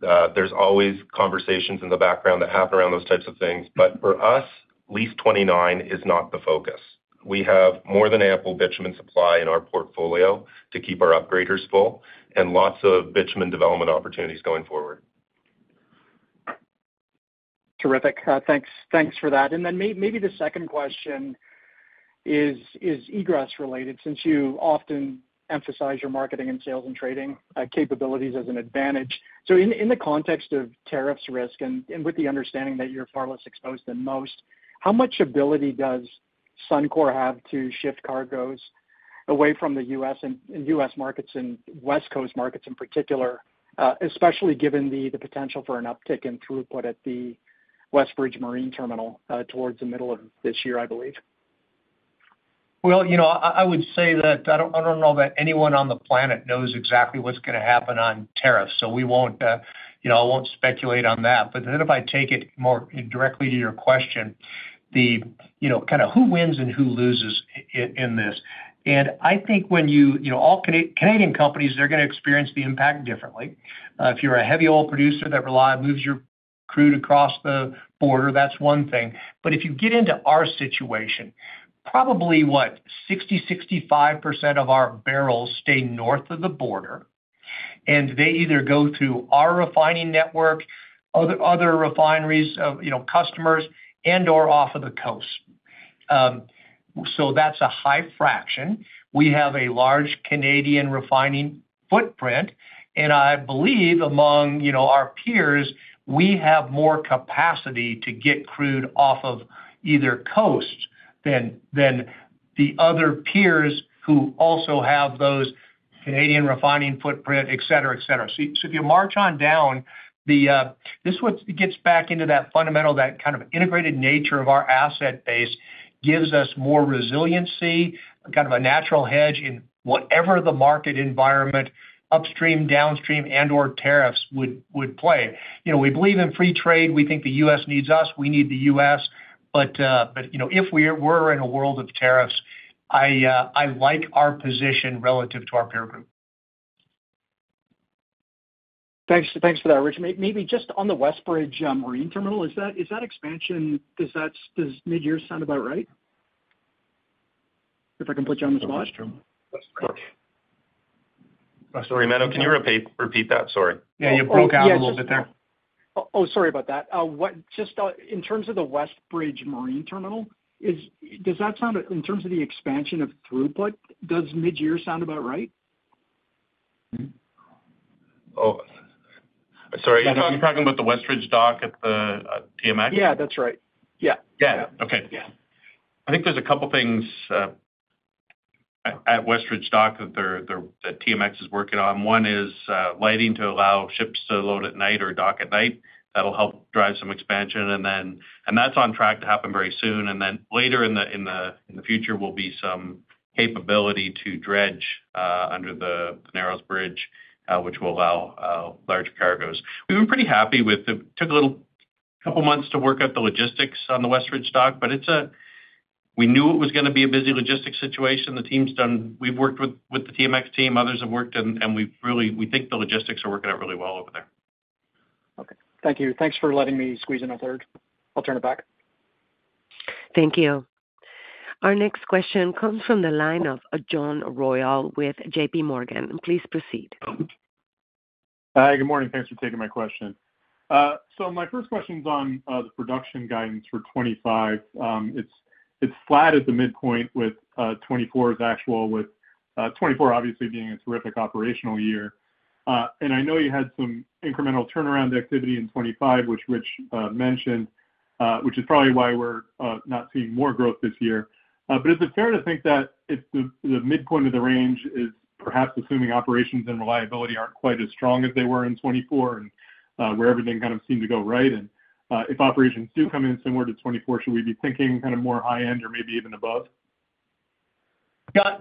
There's always conversations in the background that happen around those types of things. But for us, Lease 29 is not the focus. We have more than ample bitumen supply in our portfolio to keep our upgraders full and lots of bitumen development opportunities going forward. Terrific. Thanks for that. And then maybe the second question is egress-related since you often emphasize your marketing and sales and trading capabilities as an advantage. So in the context of tariffs risk and with the understanding that you're far less exposed than most, how much ability does Suncor have to shift cargoes away from the U.S. markets and West Coast markets in particular, especially given the potential for an uptick in throughput at the Westridge Marine Terminal towards the middle of this year, I believe? I would say that I don't know that anyone on the planet knows exactly what's going to happen on tariffs, so I won't speculate on that. But then if I take it more directly to your question, kind of who wins and who loses in this? And I think when you look at all Canadian companies, they're going to experience the impact differently. If you're a heavy oil producer that moves your crude across the border, that's one thing. But if you get into our situation, probably what, 60%-65% of our barrels stay north of the border, and they either go through our refining network, other refineries, customers, and/or off of the coast. So that's a high fraction. We have a large Canadian refining footprint, and I believe among our peers, we have more capacity to get crude off of either coast than the other peers who also have those Canadian refining footprint, etc., etc. So if you march on down, this gets back into that fundamental, that kind of integrated nature of our asset base gives us more resiliency, kind of a natural hedge in whatever the market environment, upstream, downstream, and/or tariffs would play. We believe in free trade. We think the U.S. needs us. We need the U.S. But if we're in a world of tariffs, I like our position relative to our peer group. Thanks for that, Rich. Maybe just on the Westridge Marine Terminal, is that expansion? Does midyear sound about right? If I can put you on the spot? Of course. Sorry, Menno, can you repeat that? Sorry. Yeah, you broke out a little bit there. Oh, sorry about that. Just in terms of the Westridge Marine Terminal, does that sound in terms of the expansion of throughput, does midyear sound about right? Oh, sorry. You're talking about the Westridge dock at the TMX? Yeah, that's right. Yeah. Yeah. Okay. I think there's a couple of things at Westridge dock that TMX is working on. One is lighting to allow ships to load at night or dock at night. That'll help drive some expansion, and that's on track to happen very soon, and then later in the future, there will be some capability to dredge under the Narrows Bridge, which will allow large cargoes. We've been pretty happy with it. It took a couple of months to work out the logistics on the Westridge dock, but we knew it was going to be a busy logistics situation. We've worked with the TMX team. Others have worked, and we think the logistics are working out really well over there. Okay. Thank you. Thanks for letting me squeeze in a third. I'll turn it back. Thank you. Our next question comes from the line of John Royall with J.P. Morgan. Please proceed. Hi, good morning. Thanks for taking my question. So my first question is on the production guidance for 2025. It's flat at the midpoint with 2024's actual, with 2024 obviously being a terrific operational year. And I know you had some incremental turnaround activity in 2025, which Rich mentioned, which is probably why we're not seeing more growth this year. But is it fair to think that the midpoint of the range is perhaps assuming operations and reliability aren't quite as strong as they were in 2024 and where everything kind of seemed to go right? And if operations do come in similar to 2024, should we be thinking kind of more high-end or maybe even above?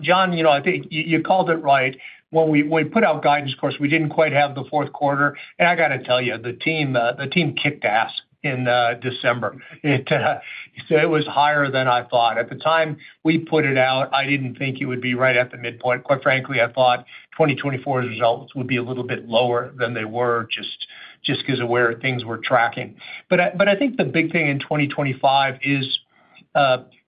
John, I think you called it right. When we put out guidance, of course, we didn't quite have the fourth quarter, and I got to tell you, the team kicked ass in December, so it was higher than I thought. At the time we put it out, I didn't think it would be right at the midpoint. Quite frankly, I thought 2024's results would be a little bit lower than they were just because of where things were tracking. But I think the big thing in 2025 is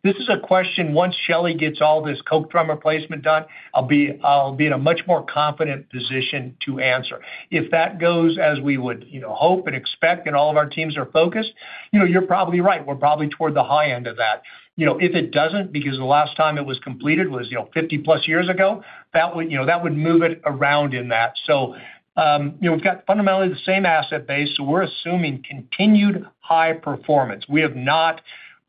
this is a question once Shelley gets all this coke drum replacement done, I'll be in a much more confident position to answer. If that goes as we would hope and expect and all of our teams are focused, you're probably right. We're probably toward the high end of that. If it doesn't, because the last time it was completed was 50-plus years ago, that would move it around in that. So we've got fundamentally the same asset base, so we're assuming continued high performance.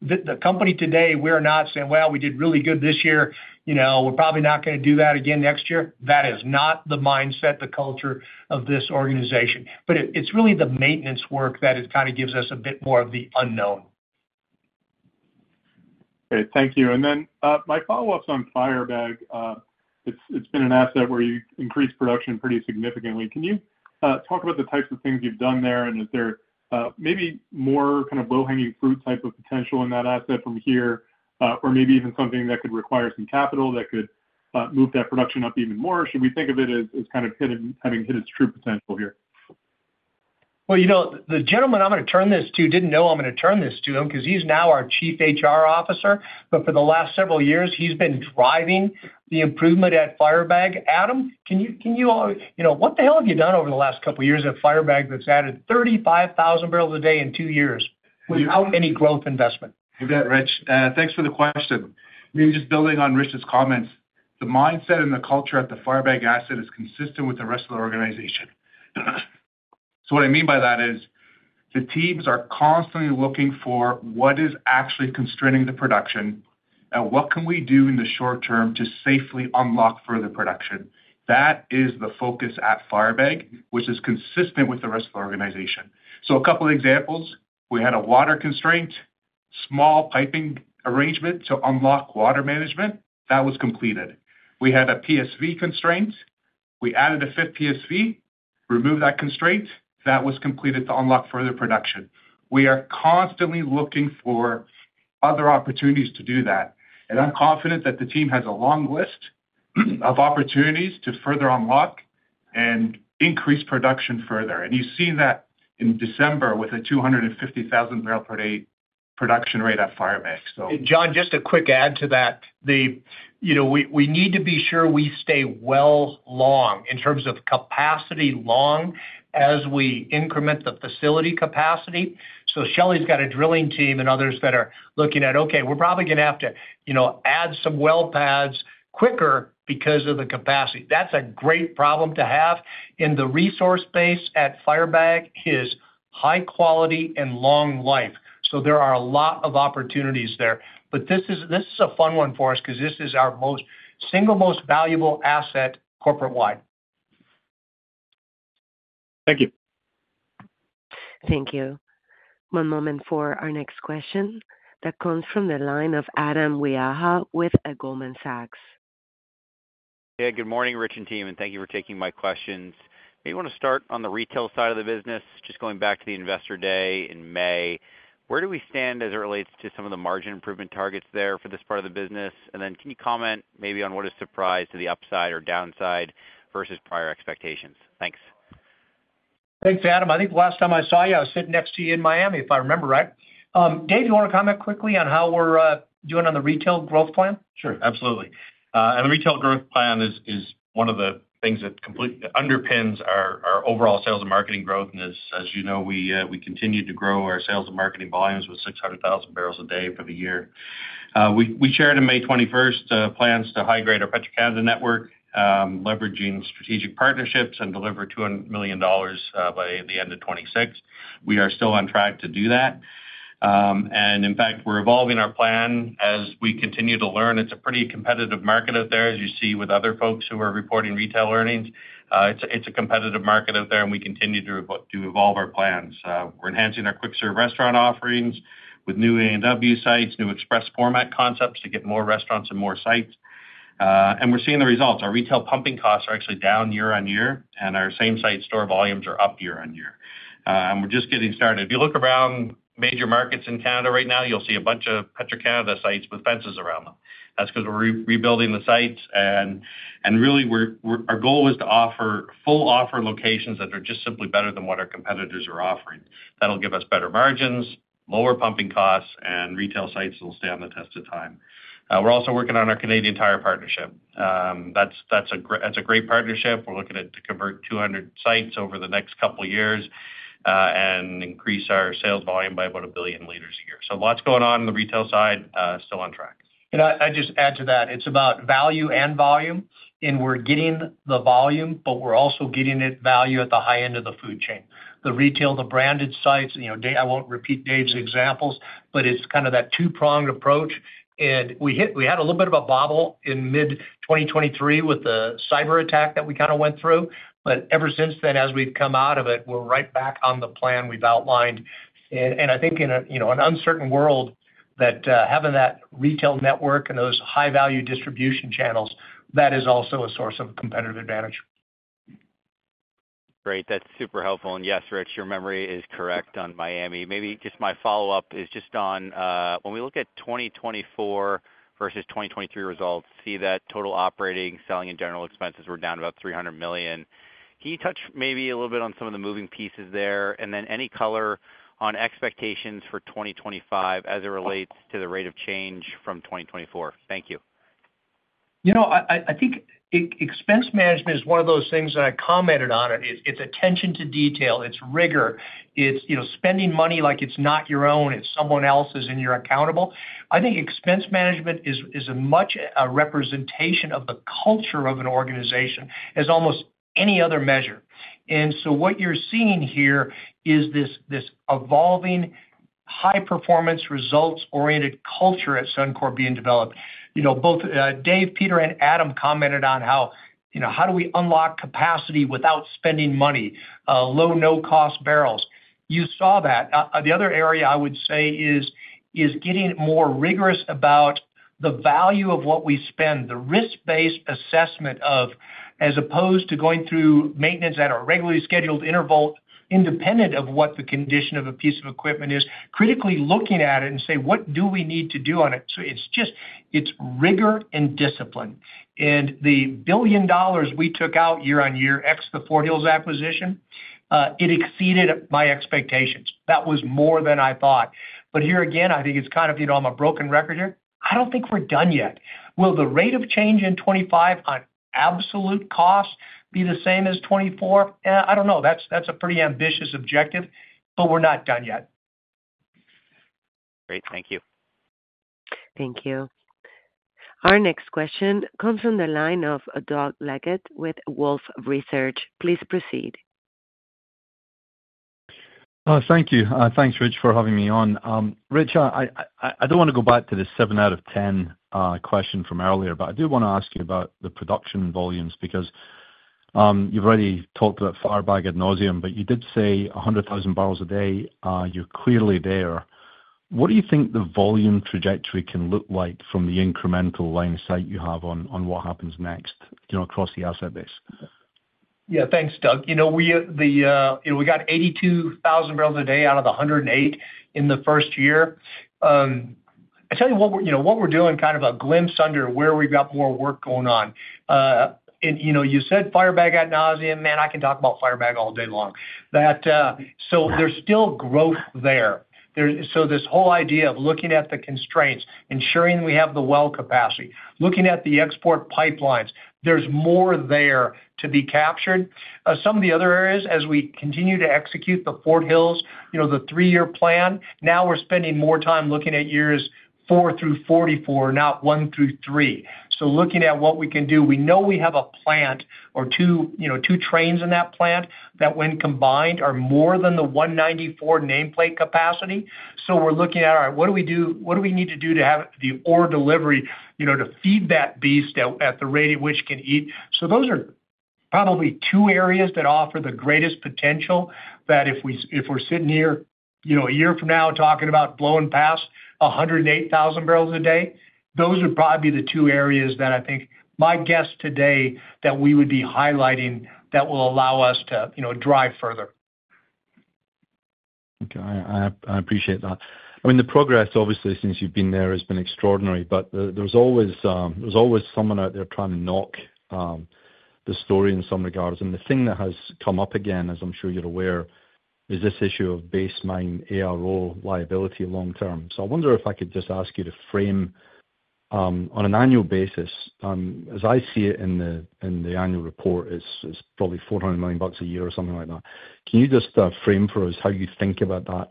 The company today, we're not saying, well, we did really good this year. We're probably not going to do that again next year. That is not the mindset, the culture of this organization. But it's really the maintenance work that kind of gives us a bit more of the unknown. Okay. Thank you. And then my follow-ups on Firebag, it's been an asset where you increased production pretty significantly. Can you talk about the types of things you've done there? And is there maybe more kind of low-hanging fruit type of potential in that asset from here, or maybe even something that could require some capital that could move that production up even more? Should we think of it as kind of having hit its true potential here? The gentleman I'm going to turn this to didn't know I'm going to turn this to him because he's now our chief HR officer. But for the last several years, he's been driving the improvement at Firebag. Adam, can you—what the hell have you done over the last couple of years at Firebag that's added 35,000 barrels a day in two years without any growth investment? You bet, Rich. Thanks for the question. Maybe just building on Rich's comments, the mindset and the culture at the Firebag asset is consistent with the rest of the organization. So what I mean by that is the teams are constantly looking for what is actually constraining the production and what can we do in the short term to safely unlock further production. That is the focus at Firebag, which is consistent with the rest of the organization. So a couple of examples. We had a water constraint. Small piping arrangement to unlock water management. That was completed. We had a PSV constraint. We added a fifth PSV. Removed that constraint. That was completed to unlock further production. We are constantly looking for other opportunities to do that. And I'm confident that the team has a long list of opportunities to further unlock and increase production further. And you've seen that in December with a 250,000 barrel per day production rate at Firebag, so. John, just a quick add to that. We need to be sure we stay well long in terms of capacity long as we increment the facility capacity, so Shelley's got a drilling team and others that are looking at, "Okay, we're probably going to have to add some well pads quicker because of the capacity." That's a great problem to have, and the resource base at Firebag is high quality and long life, so there are a lot of opportunities there, but this is a fun one for us because this is our single most valuable asset corporate-wide. Thank you. Thank you. One moment for our next question that comes from the line of Adam Abdel-Dayem with Goldman Sachs. Hey, good morning, Rich and team. And thank you for taking my questions. Maybe you want to start on the retail side of the business, just going back to the Investor Day in May. Where do we stand as it relates to some of the margin improvement targets there for this part of the business? And then can you comment maybe on what has surprised to the upside or downside versus prior expectations? Thanks. Thanks, Adam. I think the last time I saw you, I was sitting next to you in Miami, if I remember right. Dave, do you want to comment quickly on how we're doing on the retail growth plan? Sure. Absolutely. And the retail growth plan is one of the things that underpins our overall sales and marketing growth. And as you know, we continue to grow our sales and marketing volumes with 600,000 barrels a day for the year. We shared on May 21st plans to high-grade our Petro-Canada network, leveraging strategic partnerships and deliver $200 million by the end of 2026. We are still on track to do that. And in fact, we're evolving our plan as we continue to learn. It's a pretty competitive market out there, as you see with other folks who are reporting retail earnings. It's a competitive market out there, and we continue to evolve our plans. We're enhancing our quick-serve restaurant offerings with new A&W sites, new express format concepts to get more restaurants and more sites. And we're seeing the results. Our retail pumping costs are actually down year on year, and our same-site store volumes are up year on year. And we're just getting started. If you look around major markets in Canada right now, you'll see a bunch of Petro-Canada sites with fences around them. That's because we're rebuilding the sites. And really, our goal was to offer full-offer locations that are just simply better than what our competitors are offering. That'll give us better margins, lower pumping costs, and retail sites that will stay on the test of time. We're also working on our Canadian Tire partnership. That's a great partnership. We're looking at converting 200 sites over the next couple of years and increase our sales volume by about a billion liters a year. So lots going on on the retail side, still on track. And I just add to that. It's about value and volume, and we're getting the volume, but we're also getting its value at the high end of the food chain. The retail, the branded sites, I won't repeat Dave's examples, but it's kind of that two-pronged approach. And we had a little bit of a bobble in mid-2023 with the cyber attack that we kind of went through. But ever since then, as we've come out of it, we're right back on the plan we've outlined. And I think in an uncertain world, having that retail network and those high-value distribution channels, that is also a source of a competitive advantage. Great. That's super helpful. And yes, Rich, your memory is correct on Miami. Maybe just my follow-up is just on when we look at 2024 versus 2023 results, see that total operating, selling, and general expenses were down about 300 million. Can you touch maybe a little bit on some of the moving pieces there? And then any color on expectations for 2025 as it relates to the rate of change from 2024? Thank you. You know, I think expense management is one of those things that I commented on. It's attention to detail. It's rigor. It's spending money like it's not your own. It's someone else's and you're accountable. I think expense management is much a representation of the culture of an organization as almost any other measure. And so what you're seeing here is this evolving high-performance results-oriented culture at Suncor being developed. Both Dave, Peter, and Adam commented on how do we unlock capacity without spending money, low no-cost barrels. You saw that. The other area I would say is getting more rigorous about the value of what we spend, the risk-based assessment of, as opposed to going through maintenance at a regularly scheduled interval, independent of what the condition of a piece of equipment is, critically looking at it and say, "What do we need to do on it?" So it's rigor and discipline. And the 1 billion dollars we took out year on year, ex the Fort Hills acquisition, it exceeded my expectations. That was more than I thought. But here again, I think it's kind of on my broken record here. I don't think we're done yet. Will the rate of change in 2025 on absolute cost be the same as 2024? I don't know. That's a pretty ambitious objective, but we're not done yet. Great. Thank you. Thank you. Our next question comes from the line of Doug Leggett with Wolfe Research. Please proceed. Thank you. Thanks, Rich, for having me on. Rich, I don't want to go back to the 7 out of 10 question from earlier, but I do want to ask you about the production volumes because you've already talked about Firebag ad nauseam, but you did say 100,000 barrels a day. You're clearly there. What do you think the volume trajectory can look like from the incremental line of sight you have on what happens next across the asset base? Yeah. Thanks, Doug. We got 82,000 barrels a day out of the 108 in the first year. I tell you what we're doing, kind of a glimpse under where we've got more work going on. You said Firebag ad nauseam. Man, I can talk about Firebag all day long. So there's still growth there. So this whole idea of looking at the constraints, ensuring we have the well capacity, looking at the export pipelines, there's more there to be captured. Some of the other areas, as we continue to execute the Fort Hills, the three-year plan, now we're spending more time looking at years four through ten, not one through three. So looking at what we can do, we know we have a plant or two trains in that plant that when combined are more than the 194 nameplate capacity. So we're looking at, all right, what do we do? What do we need to do to have the ore delivery to feed that beast at the rate at which it can eat? So those are probably two areas that offer the greatest potential that if we're sitting here a year from now talking about blowing past 108,000 barrels a day, those would probably be the two areas that I think my guess today that we would be highlighting that will allow us to drive further. Okay. I appreciate that. I mean, the progress, obviously, since you've been there has been extraordinary, but there's always someone out there trying to knock the story in some regards. And the thing that has come up again, as I'm sure you're aware, is this issue of baseline ARO liability long term. So I wonder if I could just ask you to frame on an annual basis, as I see it in the annual report, it's probably 400 million bucks a year or something like that. Can you just frame for us how you think about that,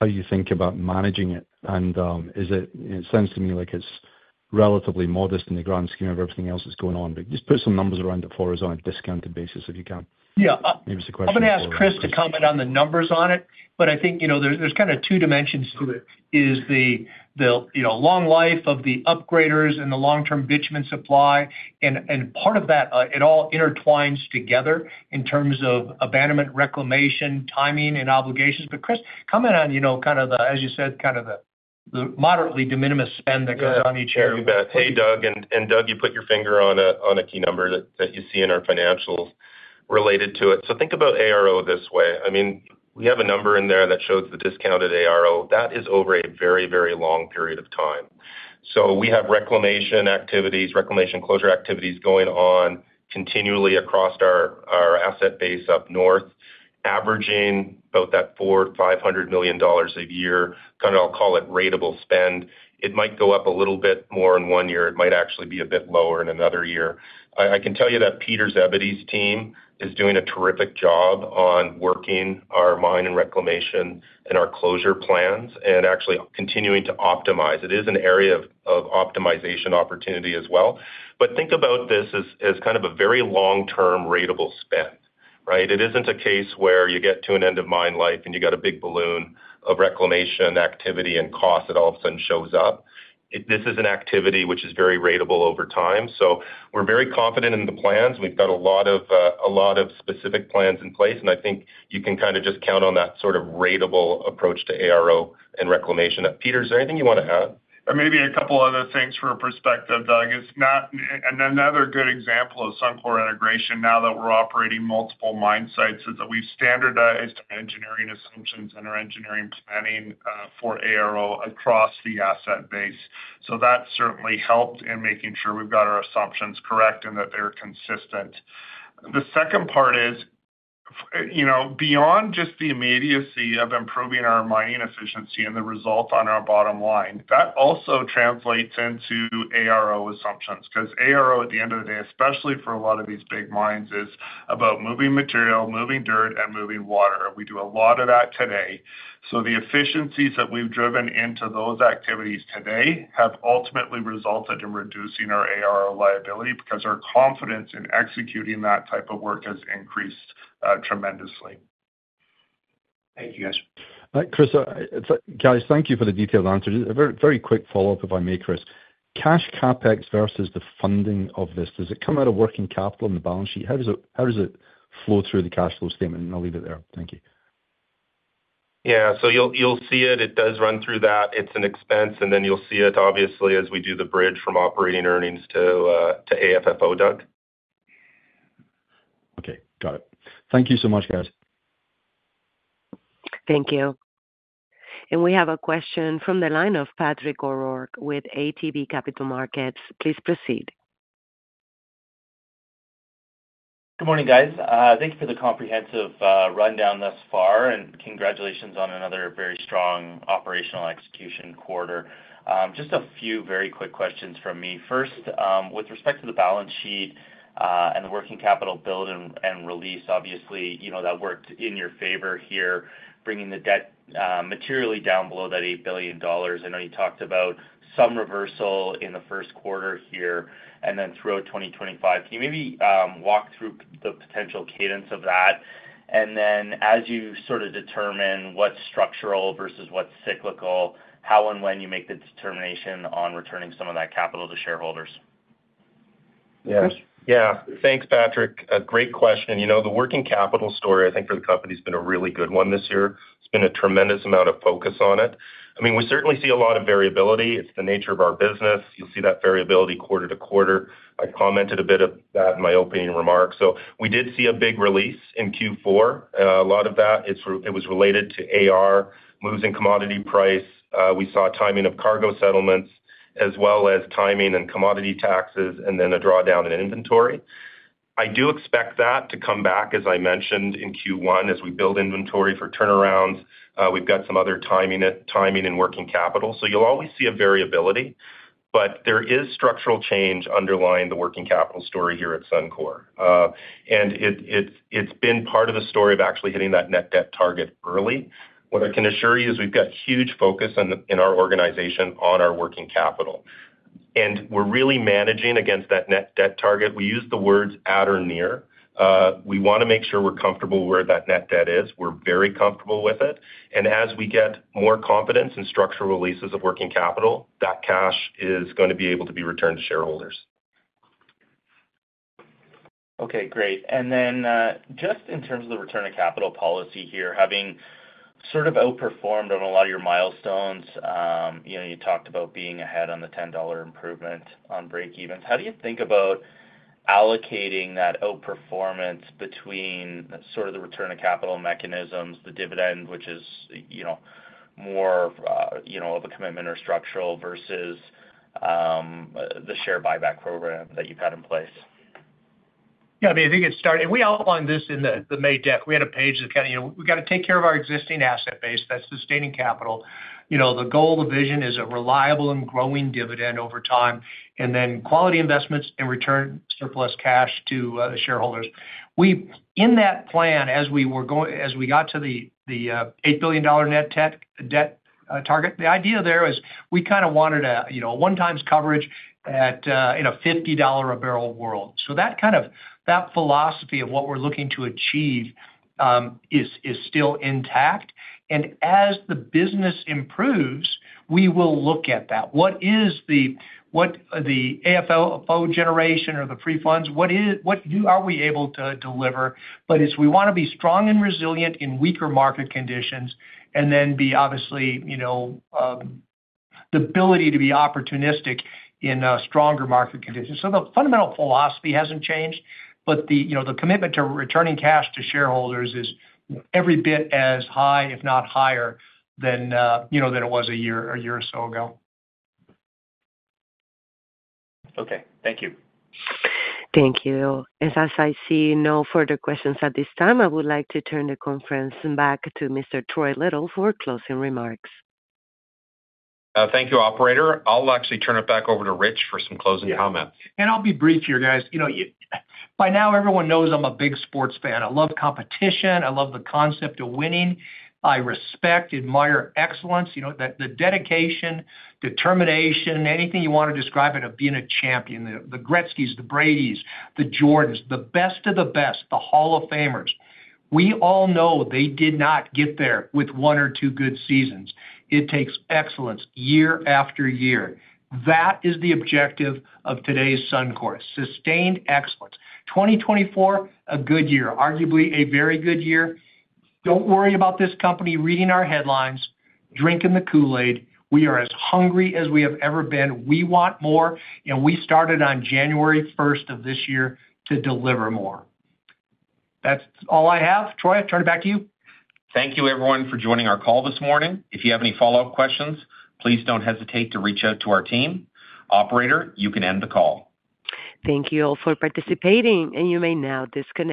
how you think about managing it? And it sounds to me like it's relatively modest in the grand scheme of everything else that's going on, but just put some numbers around it for us on a discounted basis if you can. Maybe it's a question for Kris. I'm going to ask Kris to comment on the numbers on it, but I think there's kind of two dimensions to it. Is the long life of the upgraders and the long-term bitumen supply? And part of that, it all intertwines together in terms of abandonment, reclamation, timing, and obligations. But Kris, comment on kind of the, as you said, kind of the moderately de minimis spend that goes on each year. You bet. Hey, Doug. Doug, you put your finger on a key number that you see in our financials related to it. So think about ARO this way. I mean, we have a number in there that shows the discounted ARO. That is over a very, very long period of time. We have reclamation activities, reclamation closure activities going on continually across our asset base up north, averaging about 400-500 million dollars a year, kind of. I'll call it ratable spend. It might go up a little bit more in one year. It might actually be a bit lower in another year. I can tell you that Peter Zebedee's team is doing a terrific job on working our mine and reclamation and our closure plans and actually continuing to optimize. It is an area of optimization opportunity as well. But think about this as kind of a very long-term ratable spend, right? It isn't a case where you get to an end of mine life and you got a big balloon of reclamation activity and cost that all of a sudden shows up. This is an activity which is very ratable over time. So we're very confident in the plans. We've got a lot of specific plans in place. And I think you can kind of just count on that sort of ratable approach to ARO and reclamation. Peter, is there anything you want to add? Maybe a couple other things for perspective, Doug, and another good example of Suncor integration now that we're operating multiple mine sites is that we've standardized our engineering assumptions and our engineering planning for ARO across the asset base, so that certainly helped in making sure we've got our assumptions correct and that they're consistent. The second part is beyond just the immediacy of improving our mining efficiency and the result on our bottom line. That also translates into ARO assumptions because ARO, at the end of the day, especially for a lot of these big mines, is about moving material, moving dirt, and moving water. We do a lot of that today, so the efficiencies that we've driven into those activities today have ultimately resulted in reducing our ARO liability because our confidence in executing that type of work has increased tremendously. Thank you, guys. All right, Kris. Guys, thank you for the detailed answers. A very quick follow-up, if I may, Kris. Cash CapEx versus the funding of this, does it come out of working capital on the balance sheet? How does it flow through the cash flow statement? And I'll leave it there. Thank you. Yeah. So you'll see it. It does run through that. It's an expense. And then you'll see it, obviously, as we do the bridge from operating earnings to AFFO, Doug. Okay. Got it. Thank you so much, guys. Thank you. And we have a question from the line of Patrick O'Rourke with ATB Capital Markets. Please proceed. Good morning, guys. Thank you for the comprehensive rundown thus far, and congratulations on another very strong operational execution quarter. Just a few very quick questions from me. First, with respect to the balance sheet and the working capital build and release, obviously, that worked in your favor here, bringing the debt materially down below that $8 billion. I know you talked about some reversal in the first quarter here and then throughout 2025. Can you maybe walk through the potential cadence of that? And then as you sort of determine what's structural versus what's cyclical, how and when you make the determination on returning some of that capital to shareholders? Yeah. Thanks, Patrick. A great question. The working capital story, I think, for the company has been a really good one this year. There's been a tremendous amount of focus on it. I mean, we certainly see a lot of variability. It's the nature of our business. You'll see that variability quarter to quarter. I commented a bit of that in my opening remarks. So we did see a big release in Q4. A lot of that, it was related to AR, moves in commodity price. We saw timing of cargo settlements as well as timing and commodity taxes and then a drawdown in inventory. I do expect that to come back, as I mentioned, in Q1 as we build inventory for turnarounds. We've got some other timing and working capital. So you'll always see a variability, but there is structural change underlying the working capital story here at Suncor. It's been part of the story of actually hitting that net debt target early. What I can assure you is we've got huge focus in our organization on our working capital. We're really managing against that net debt target. We use the words at or near. We want to make sure we're comfortable where that net debt is. We're very comfortable with it. As we get more confidence in structural releases of working capital, that cash is going to be able to be returned to shareholders. Okay. Great. And then just in terms of the return to capital policy here, having sort of outperformed on a lot of your milestones, you talked about being ahead on the $10 improvement on breakevens. How do you think about allocating that outperformance between sort of the return to capital mechanisms, the dividend, which is more of a commitment or structural versus the share buyback program that you've had in place? Yeah. I mean, I think it started and we outlined this in the May deck. We had a page that kind of we've got to take care of our existing asset base. That's sustaining capital. The goal, the vision is a reliable and growing dividend over time and then quality investments and return surplus cash to shareholders. In that plan, as we got to the $8 billion net debt target, the idea there is we kind of wanted a one-time coverage in a $50 a barrel world. So that kind of that philosophy of what we're looking to achieve is still intact. And as the business improves, we will look at that. What is the AFFO generation or the free funds? What are we able to deliver? But we want to be strong and resilient in weaker market conditions and then be obviously the ability to be opportunistic in stronger market conditions. So the fundamental philosophy hasn't changed, but the commitment to returning cash to shareholders is every bit as high, if not higher, than it was a year or so ago. Okay. Thank you. Thank you. As I see no further questions at this time, I would like to turn the conference back to Mr. Troy Little for closing remarks. Thank you, operator. I'll actually turn it back over to Rich for some closing comments. Yeah. And I'll be brief here, guys. By now, everyone knows I'm a big sports fan. I love competition. I love the concept of winning. I respect, admire excellence, the dedication, determination, anything you want to describe it of being a champion. The Gretzkys, the Bradys, the Jordans, the best of the best, the Hall of Famers. We all know they did not get there with one or two good seasons. It takes excellence year after year. That is the objective of today's Suncor: sustained excellence. 2024, a good year, arguably a very good year. Don't worry about this company reading our headlines, drinking the Kool-Aid. We are as hungry as we have ever been. We want more, and we started on January 1st of this year to deliver more. That's all I have. Troy, I turn it back to you. Thank you, everyone, for joining our call this morning. If you have any follow-up questions, please don't hesitate to reach out to our team. Operator, you can end the call. Thank you all for participating, and you may now disconnect.